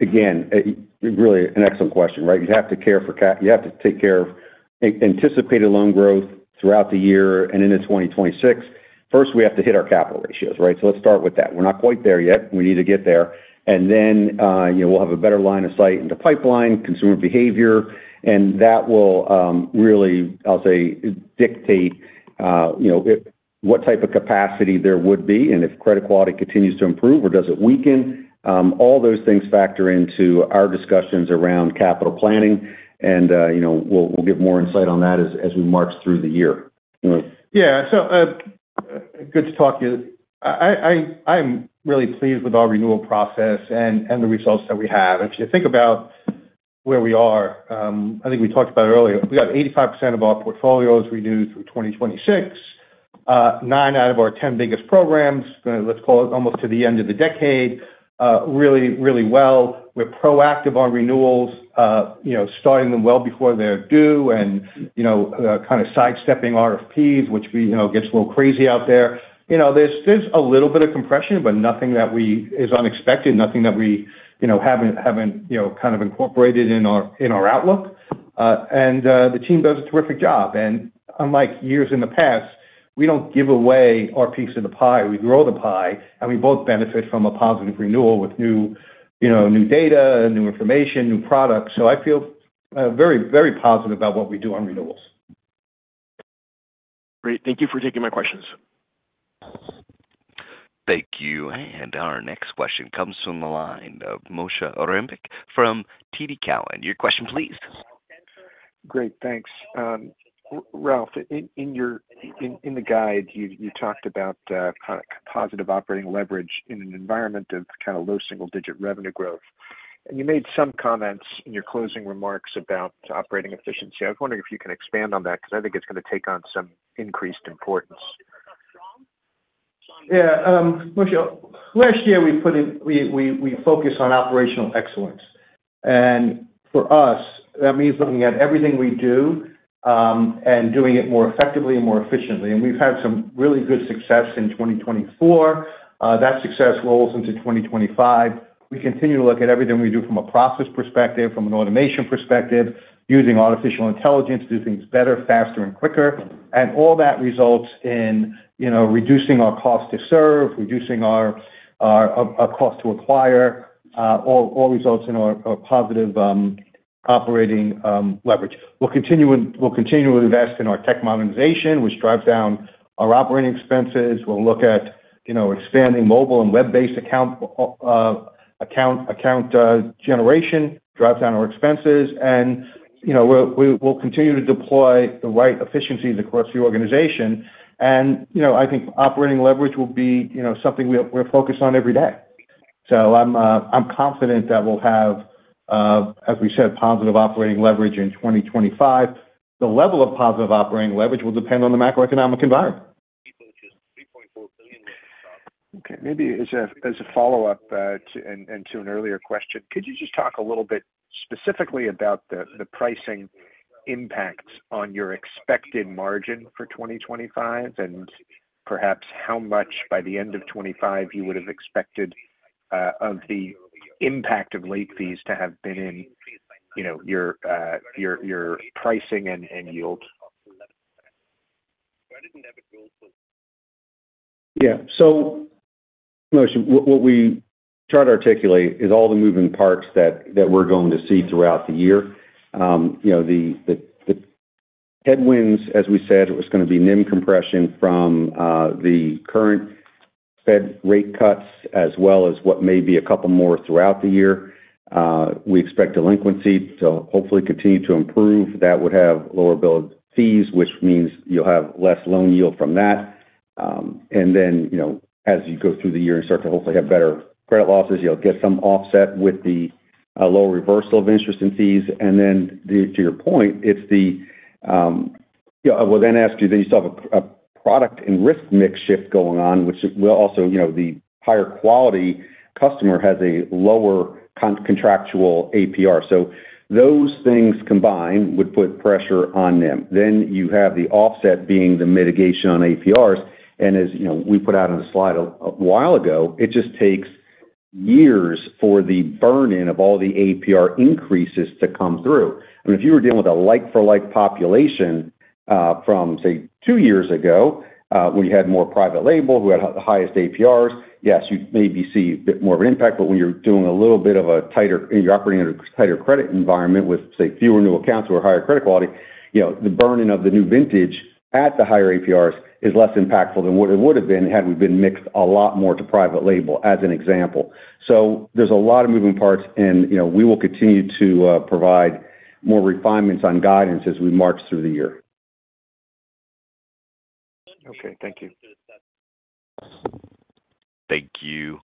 again, really an excellent question, right? You have to take care of anticipated loan growth throughout the year and into 2026. First, we have to hit our capital ratios, right? So let's start with that. We're not quite there yet. We need to get there. And then we'll have a better line of sight into pipeline, consumer behavior. And that will really, I'll say, dictate what type of capacity there would be. And if credit quality continues to improve or does it weaken, all those things factor into our discussions around capital planning. And we'll give more insight on that as we march through the year. Yeah. So good to talk to you. I'm really pleased with our renewal process and the results that we have. If you think about where we are, I think we talked about it earlier. We got 85% of our portfolios renewed through 2026, nine out of our 10 biggest programs. Let's call it almost to the end of the decade, really, really well. We're proactive on renewals, starting them well before they're due and kind of sidestepping RFPs, which gets a little crazy out there. There's a little bit of compression, but nothing that is unexpected, nothing that we haven't kind of incorporated in our outlook. And the team does a terrific job. And unlike years in the past, we don't give away our piece of the pie. We grow the pie, and we both benefit from a positive renewal with new data, new information, new products. So I feel very, very positive about what we do on renewals. Great. Thank you for taking my questions. Thank you. And our next question comes from the line of Moshe Orenbuch from TD Cowen. Your question, please. Great. Thanks. Ralph, in the guide, you talked about kind of positive operating leverage in an environment of kind of low single-digit revenue growth. And you made some comments in your closing remarks about operating efficiency. I was wondering if you can expand on that because I think it's going to take on some increased importance. Yeah. Moshe, last year, we focused on operational excellence. For us, that means looking at everything we do and doing it more effectively and more efficiently. We've had some really good success in 2024. That success rolls into 2025. We continue to look at everything we do from a process perspective, from an automation perspective, using artificial intelligence to do things better, faster, and quicker. All that results in reducing our cost to serve, reducing our cost to acquire. All results in a positive operating leverage. We'll continue to invest in our tech modernization, which drives down our operating expenses. We'll look at expanding mobile and web-based account generation, drives down our expenses. We'll continue to deploy the right efficiencies across the organization. I think operating leverage will be something we're focused on every day. I'm confident that we'll have, as we said, positive operating leverage in 2025. The level of positive operating leverage will depend on the macroeconomic environment. Okay. Maybe as a follow-up and to an earlier question, could you just talk a little bit specifically about the pricing impacts on your expected margin for 2025 and perhaps how much by the end of 2025 you would have expected of the impact of late fees to have been in your pricing and yield? Yeah, so what we try to articulate is all the moving parts that we're going to see throughout the year. The headwinds, as we said, it was going to be NIM compression from the current Fed rate cuts as well as what may be a couple more throughout the year. We expect delinquency to hopefully continue to improve. That would have lower billed fees, which means you'll have less Loan yield from that. And then as you go through the year and start to hopefully have better credit losses, you'll get some offset with the lower reversal of interest and fees. And then to your point, it's the, well, then as you, then you still have a product and risk mix shift going on, which will also, the higher quality customer has a lower contractual APR. So those things combined would put pressure on them. Then you have the offset being the mitigation on APRs. And as we put out on the slide a while ago, it just takes years for the burn-in of all the APR increases to come through. And if you were dealing with a like-for-like population from, say, two years ago, when you had more private label who had the highest APRs, yes, you maybe see a bit more of an impact. But when you're operating in a tighter credit environment with, say, fewer new accounts or higher credit quality, the burn-in of the new vintage at the higher APRs is less impactful than what it would have been had we been mixed a lot more to private label, as an example. So there's a lot of moving parts, and we will continue to provide more refinements on guidance as we march through the year. Okay. Thank you. Thank you.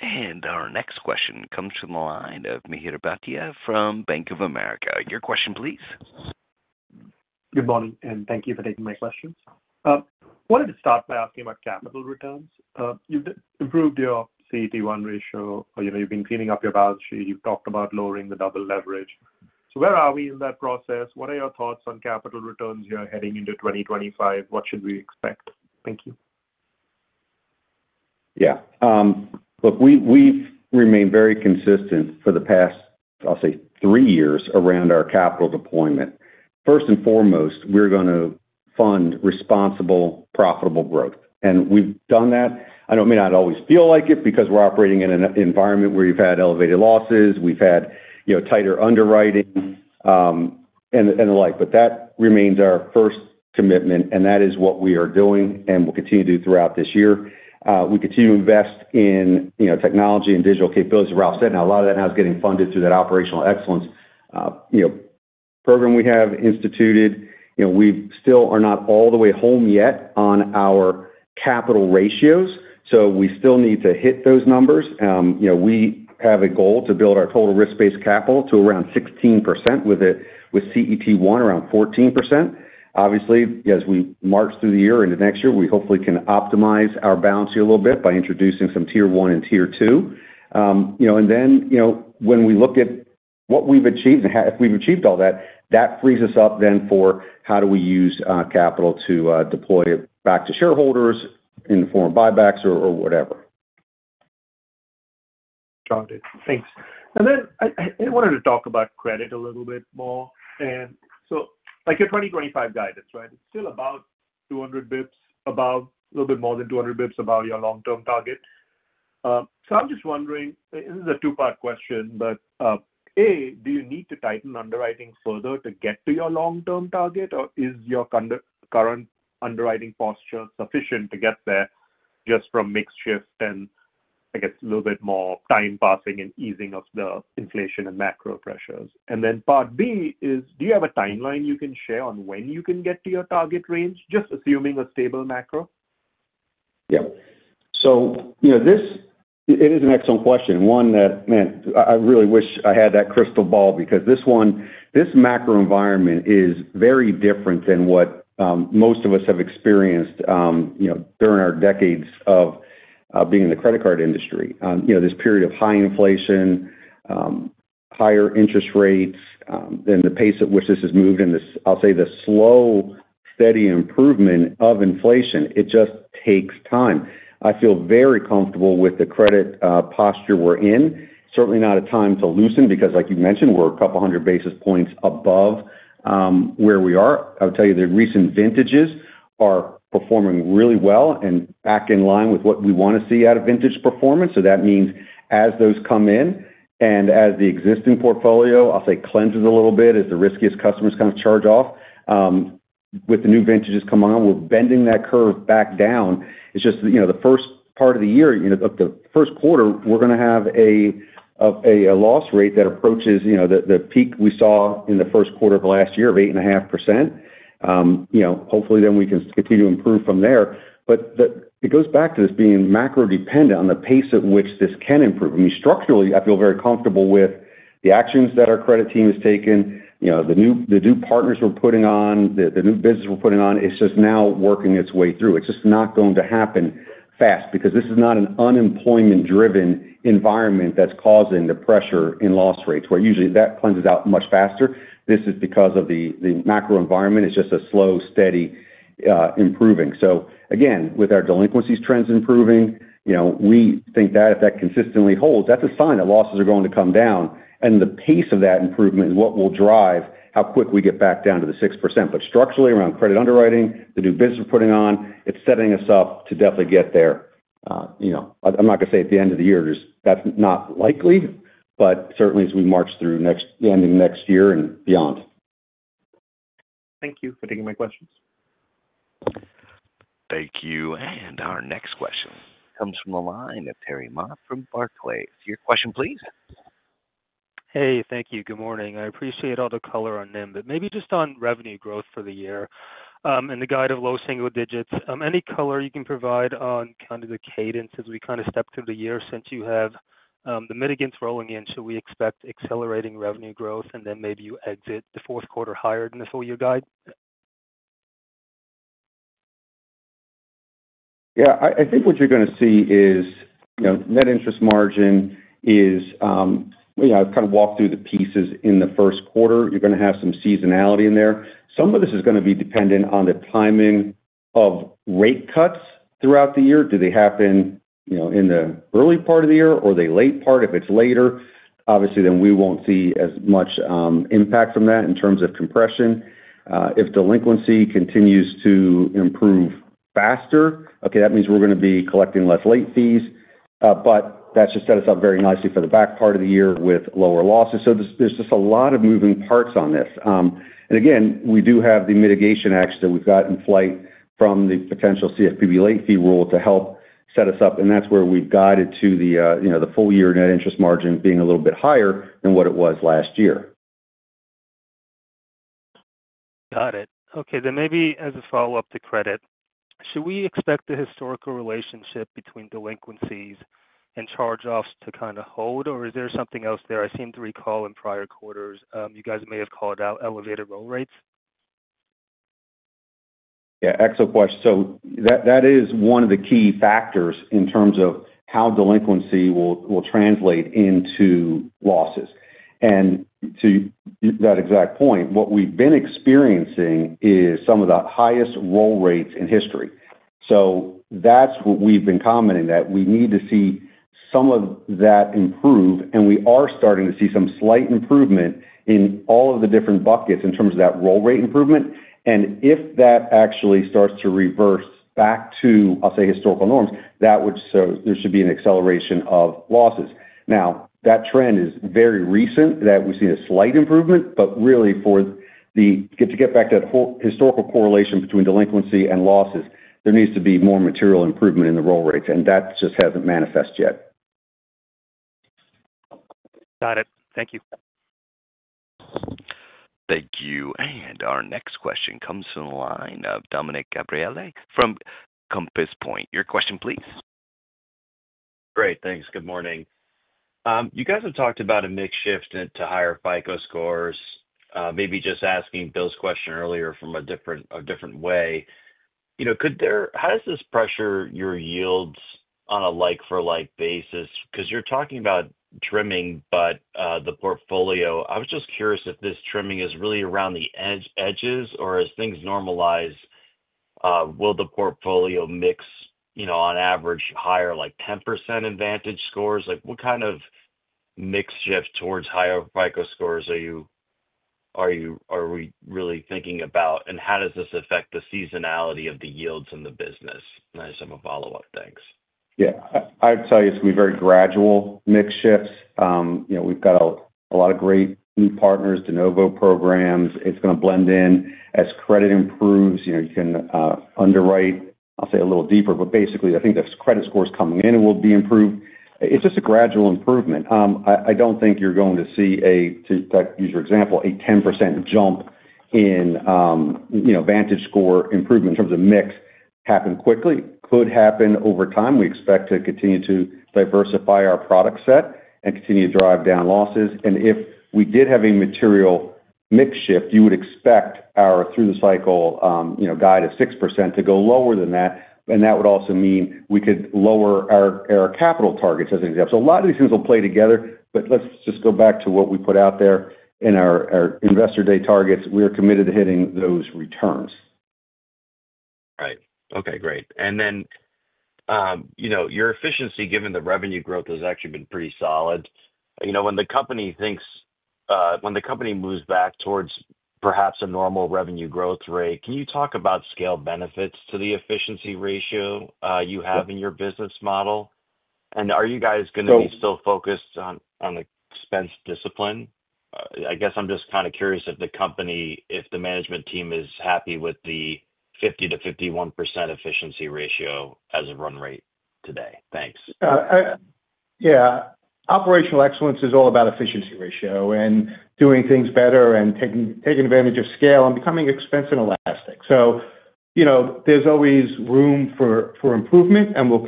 And our next question comes from the line of Mihir Bhatia from Bank of America. Your question, please. Good morning, and thank you for taking my questions. Wanted to start by asking about capital returns. You've improved your CET1 ratio. You've been cleaning up your balance sheet. You've talked about lowering the double leverage. So where are we in that process? What are your thoughts on capital returns here heading into 2025? What should we expect? Thank you. Yeah. Look, we've remained very consistent for the past, I'll say, three years around our capital deployment. First and foremost, we're going to fund responsible, profitable growth. And we've done that. I don't mean I'd always feel like it because we're operating in an environment where you've had elevated losses, we've had tighter underwriting, and the like. But that remains our first commitment, and that is what we are doing and will continue to do throughout this year. We continue to invest in technology and digital capabilities. Ralph said, and a lot of that now is getting funded through that operational excellence program we have instituted. We still are not all the way home yet on our capital ratios, so we still need to hit those numbers. We have a goal to build our total risk-based capital to around 16% with CET1 around 14%. Obviously, as we march through the year into next year, we hopefully can optimize our balance sheet a little bit by introducing some tier one and tier two. And then when we look at what we've achieved and if we've achieved all that, that frees us up then for how do we use capital to deploy it back to shareholders in the form of buybacks or whatever. Got it. Thanks. And then I wanted to talk about credit a little bit more. And so your 2025 guidance, right? It's still about 200 basis points, a little bit more than 200 basis points above your long-term target. So I'm just wondering, this is a two-part question, but A, do you need to tighten underwriting further to get to your long-term target, or is your current underwriting posture sufficient to get there just from mixed shift and, I guess, a little bit more time passing and easing of the inflation and macro pressures? And then part B is, do you have a timeline you can share on when you can get to your target range, just assuming a stable macro? Yeah. So it is an excellent question. One that, man, I really wish I had that crystal ball because this macro environment is very different than what most of us have experienced during our decades of being in the credit card industry. This period of high inflation, higher interest rates, then the pace at which this has moved in this, I'll say, the slow, steady improvement of inflation, it just takes time. I feel very comfortable with the credit posture we're in. Certainly not a time to loosen because, like you mentioned, we're a couple hundred basis points above where we are. I'll tell you, the recent vintages are performing really well and back in line with what we want to see out of vintage performance. So that means as those come in and as the existing portfolio, I'll say, cleanses a little bit as the riskiest customers kind of charge off, with the new vintages coming on, we're bending that curve back down. It's just the first part of the year, the first quarter, we're going to have a loss rate that approaches the peak we saw in the first quarter of last year of 8.5%. Hopefully, then we can continue to improve from there. But it goes back to this being macro-dependent on the pace at which this can improve. I mean, structurally, I feel very comfortable with the actions that our credit team has taken, the new partners we're putting on, the new business we're putting on. It's just now working its way through. It's just not going to happen fast because this is not an unemployment-driven environment that's causing the pressure in loss rates, where usually that cleanses out much faster. This is because of the macro environment. It's just a slow, steady improving. So again, with our delinquency trends improving, we think that if that consistently holds, that's a sign that losses are going to come down. And the pace of that improvement is what will drive how quick we get back down to the 6%. But structurally, around credit underwriting, the new business we're putting on, it's setting us up to definitely get there. I'm not going to say at the end of the year, that's not likely, but certainly as we march through the end of next year and beyond. Thank you for taking my questions. Thank you. And our next question comes from the line of Terry Ma from Barclays. Your question, please. Hey, thank you. Good morning. I appreciate all the color on NIM, but maybe just on revenue growth for the year and the guide of low single digits. Any color you can provide on kind of the cadence as we kind of step through the year since you have the mitigants rolling in? Should we expect accelerating revenue growth and then maybe you exit the fourth quarter higher than the full year guide? Yeah. I think what you're going to see is Net interest margin is. I've kind of walked through the pieces in the first quarter. You're going to have some seasonality in there. Some of this is going to be dependent on the timing of rate cuts throughout the year. Do they happen in the early part of the year or the late part? If it's later, obviously, then we won't see as much impact from that in terms of compression. If delinquency continues to improve faster, okay, that means we're going to be collecting less late fees. But that just sets us up very nicely for the back part of the year with lower losses. So there's just a lot of moving parts on this. And again, we do have the mitigation action that we've got in flight from the potential CFPB late fee rule to help set us up. And that's where we've guided to the full year Net interest margin being a little bit higher than what it was last year. Got it. Okay. Then maybe as a follow-up to credit, should we expect the historical relationship between delinquencies and charge-offs to kind of hold, or is there something else there? I seem to recall in prior quarters, you guys may have called out elevated roll rates. Yeah. Excellent question. So that is one of the key factors in terms of how delinquency will translate into losses. And to that exact point, what we've been experiencing is some of the highest roll rates in history. So that's what we've been commenting that we need to see some of that improve. And we are starting to see some slight improvement in all of the different buckets in terms of that roll rate improvement. And if that actually starts to reverse back to, I'll say, historical norms, that would show there should be an acceleration of losses. Now, that trend is very recent that we've seen a slight improvement, but really to get back to that historical correlation between delinquency and losses, there needs to be more material improvement in the roll rates. And that just hasn't manifest yet. Got it. Thank you. Thank you. And our next question comes from the line of Dominick Gabriele from Compass Point. Your question, please. Great. Thanks. Good morning. You guys have talked about a mix shift to higher FICO scores. Maybe just asking Bill's question earlier from a different way. How does this pressure your yields on a like-for-like basis? Because you're talking about trimming, but the portfolio. I was just curious if this trimming is really around the edges, or as things normalize, will the portfolio mix on average higher like 10% VantageScore? What kind of mix shift towards higher FICO scores are we really thinking about? And how does this affect the seasonality of the yields in the business? Nice of a follow-up. Thanks. Yeah. I would tell you it's going to be very gradual mix shifts. We've got a lot of great new partners, de novo programs. It's going to blend in as credit improves. You can underwrite, I'll say, a little deeper, but basically, I think the credit scores coming in will be improved. It's just a gradual improvement. I don't think you're going to see a, to use your example, a 10% jump in VantageScore improvement in terms of mix happen quickly. Could happen over time. We expect to continue to diversify our product set and continue to drive down losses. And if we did have a material mixed shift, you would expect our through-the-cycle guide of 6% to go lower than that. And that would also mean we could lower our capital targets as an example. So a lot of these things will play together. But let's just go back to what we put out there in our investor day targets. We are committed to hitting those returns. Right. Okay. Great. And then your efficiency, given the revenue growth, has actually been pretty solid. When the company moves back towards perhaps a normal revenue growth rate, can you talk about scale benefits to the Efficiency ratio you have in your business model? And are you guys going to be still focused on expense discipline? I guess I'm just kind of curious if the company, if the management team is happy with the 50%-51% Efficiency ratio as a run rate today. Thanks. Yeah. Operational excellence is all about Efficiency ratio and doing things better and taking advantage of scale and becoming expense inelastic. So there's always room for improvement, and we'll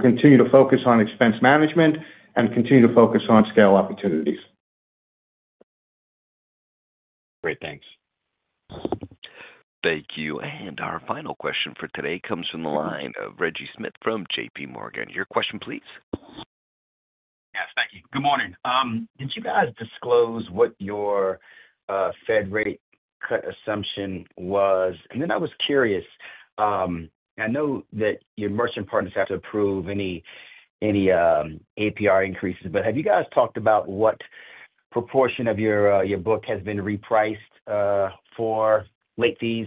continue to focus on expense management and continue to focus on scale opportunities. Great. Thanks. Thank you. Our final question for today comes from the line of Reggie Smith from J.P. Morgan. Your question, please. Yes. Thank you. Good morning. Did you guys disclose what your Fed rate cut assumption was? And then I was curious. I know that your merchant partners have to approve any APR increases, but have you guys talked about what proportion of your book has been repriced for late fees?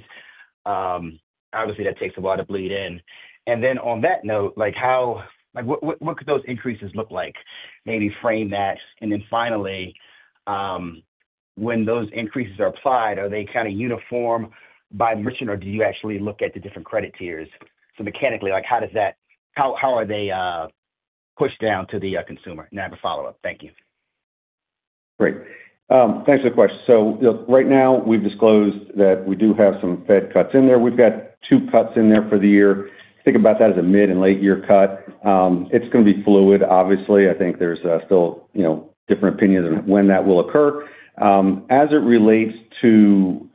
Obviously, that takes a lot of bleed in. And then on that note, what could those increases look like? Maybe frame that. And then finally, when those increases are applied, are they kind of uniform by merchant, or do you actually look at the different credit tiers? So mechanically, how are they pushed down to the consumer? And I have a follow-up. Thank you. Great. Thanks for the question. So right now, we've disclosed that we do have some Fed cuts in there. We've got two cuts in there for the year. Think about that as a mid and late year cut. It's going to be fluid, obviously. I think there's still different opinions on when that will occur. As it relates to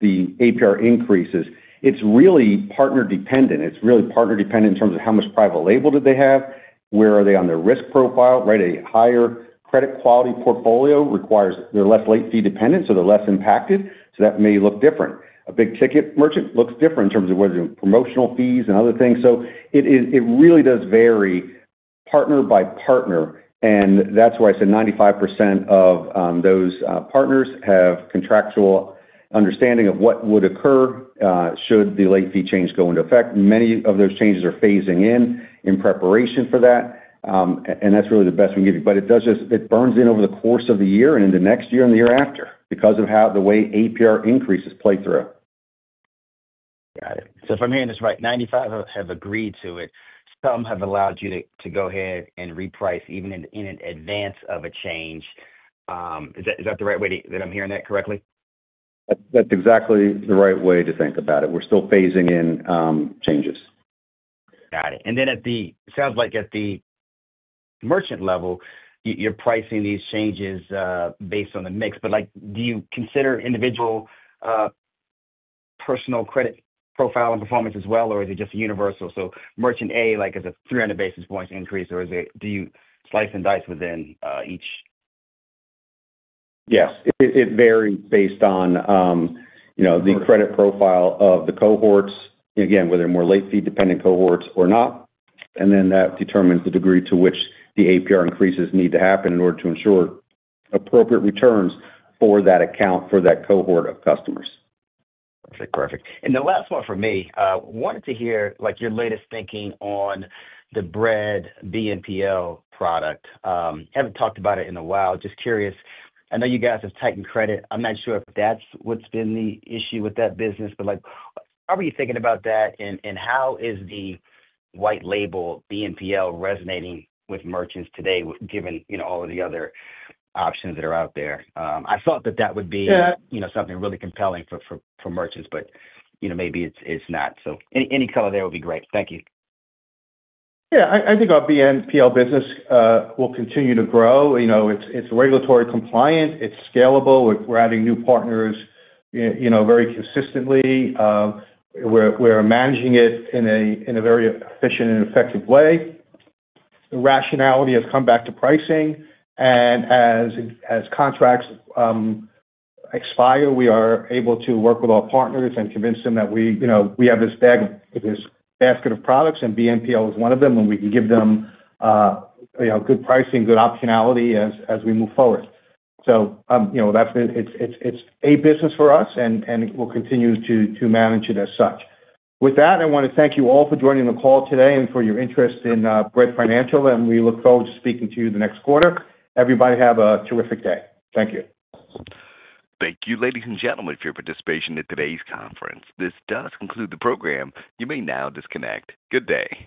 the APR increases, it's really partner-dependent. It's really partner-dependent in terms of how much private label did they have? Where are they on their risk profile? Right? A higher credit quality portfolio requires they're less late fee dependent, so they're less impacted. So that may look different. A big ticket merchant looks different in terms of whether promotional fees and other things. So it really does vary partner by partner. And that's why I said 95% of those partners have contractual understanding of what would occur should the late fee change go into effect. Many of those changes are phasing in in preparation for that. And that's really the best we can give you. But it burns in over the course of the year and in the next year and the year after because of the way APR increases play through. Got it. So if I'm hearing this right, 95 have agreed to it. Some have allowed you to go ahead and reprice even in advance of a change. Is that the right way that I'm hearing that correctly? That's exactly the right way to think about it. We're still phasing in changes. Got it. And then it sounds like at the merchant level, you're pricing these changes based on the mix. But do you consider individual personal credit profile and performance as well, or is it just universal? So merchant A, like it's a 300 basis points increase, or do you slice and dice within each? Yes. It varies based on the credit profile of the cohorts, again, whether they're more late fee dependent cohorts or not. And then that determines the degree to which the APR increases need to happen in order to ensure appropriate returns for that account for that cohort of customers. Perfect. Perfect. And the last one for me, wanted to hear your latest thinking on the Bread BNPL product. Haven't talked about it in a while. Just curious. I know you guys have tightened credit. I'm not sure if that's what's been the issue with that business, but how are you thinking about that? And how is the white label BNPL resonating with merchants today, given all of the other options that are out there? I thought that that would be something really compelling for merchants, but maybe it's not. So any color there would be great. Thank you. Yeah. I think our BNPL business will continue to grow. It's regulatory compliant. It's scalable. We're adding new partners very consistently. We're managing it in a very efficient and effective way. The rationality has come back to pricing, and as contracts expire, we are able to work with our partners and convince them that we have this basket of products, and BNPL is one of them, and we can give them good pricing, good optionality as we move forward, so it's a business for us, and we'll continue to manage it as such. With that, I want to thank you all for joining the call today and for your interest in Bread Financial, and we look forward to speaking to you the next quarter. Everybody have a terrific day. Thank you. Thank you, ladies and gentlemen, for your participation in today's conference. This does conclude the program. You may now disconnect. Good day.